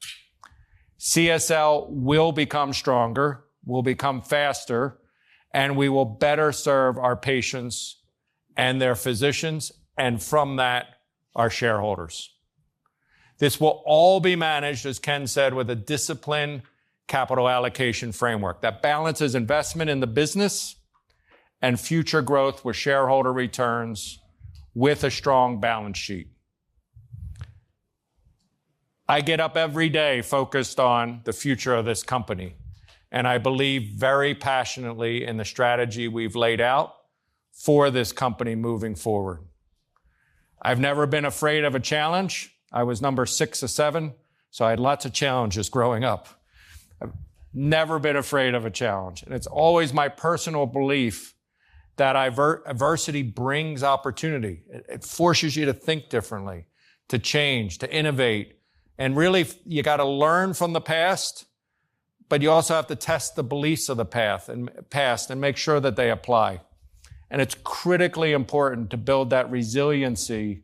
CSL will become stronger, will become faster, and we will better serve our patients and their physicians, and from that, our shareholders. This will all be managed, as Ken said, with a disciplined capital allocation framework that balances investment in the business and future growth with shareholder returns, with a strong balance sheet. I get up every day focused on the future of this company, and I believe very passionately in the strategy we've laid out for this company moving forward. I've never been afraid of a challenge. I was number six or seven, so I had lots of challenges growing up. I've never been afraid of a challenge. And it's always my personal belief that adversity brings opportunity. It forces you to think differently, to change, to innovate. Really, you got to learn from the past, but you also have to test the beliefs of the past and make sure that they apply. It's critically important to build that resiliency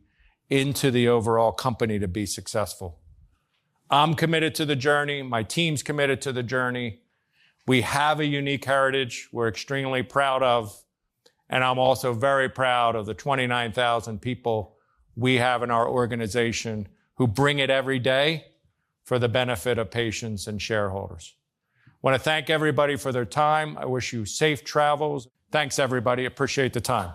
into the overall company to be successful. I'm committed to the journey. My team's committed to the journey. We have a unique heritage we're extremely proud of, and I'm also very proud of the 29,000 people we have in our organization who bring it every day for the benefit of patients and shareholders. I want to thank everybody for their time. I wish you safe travels. Thanks, everybody. Appreciate the time.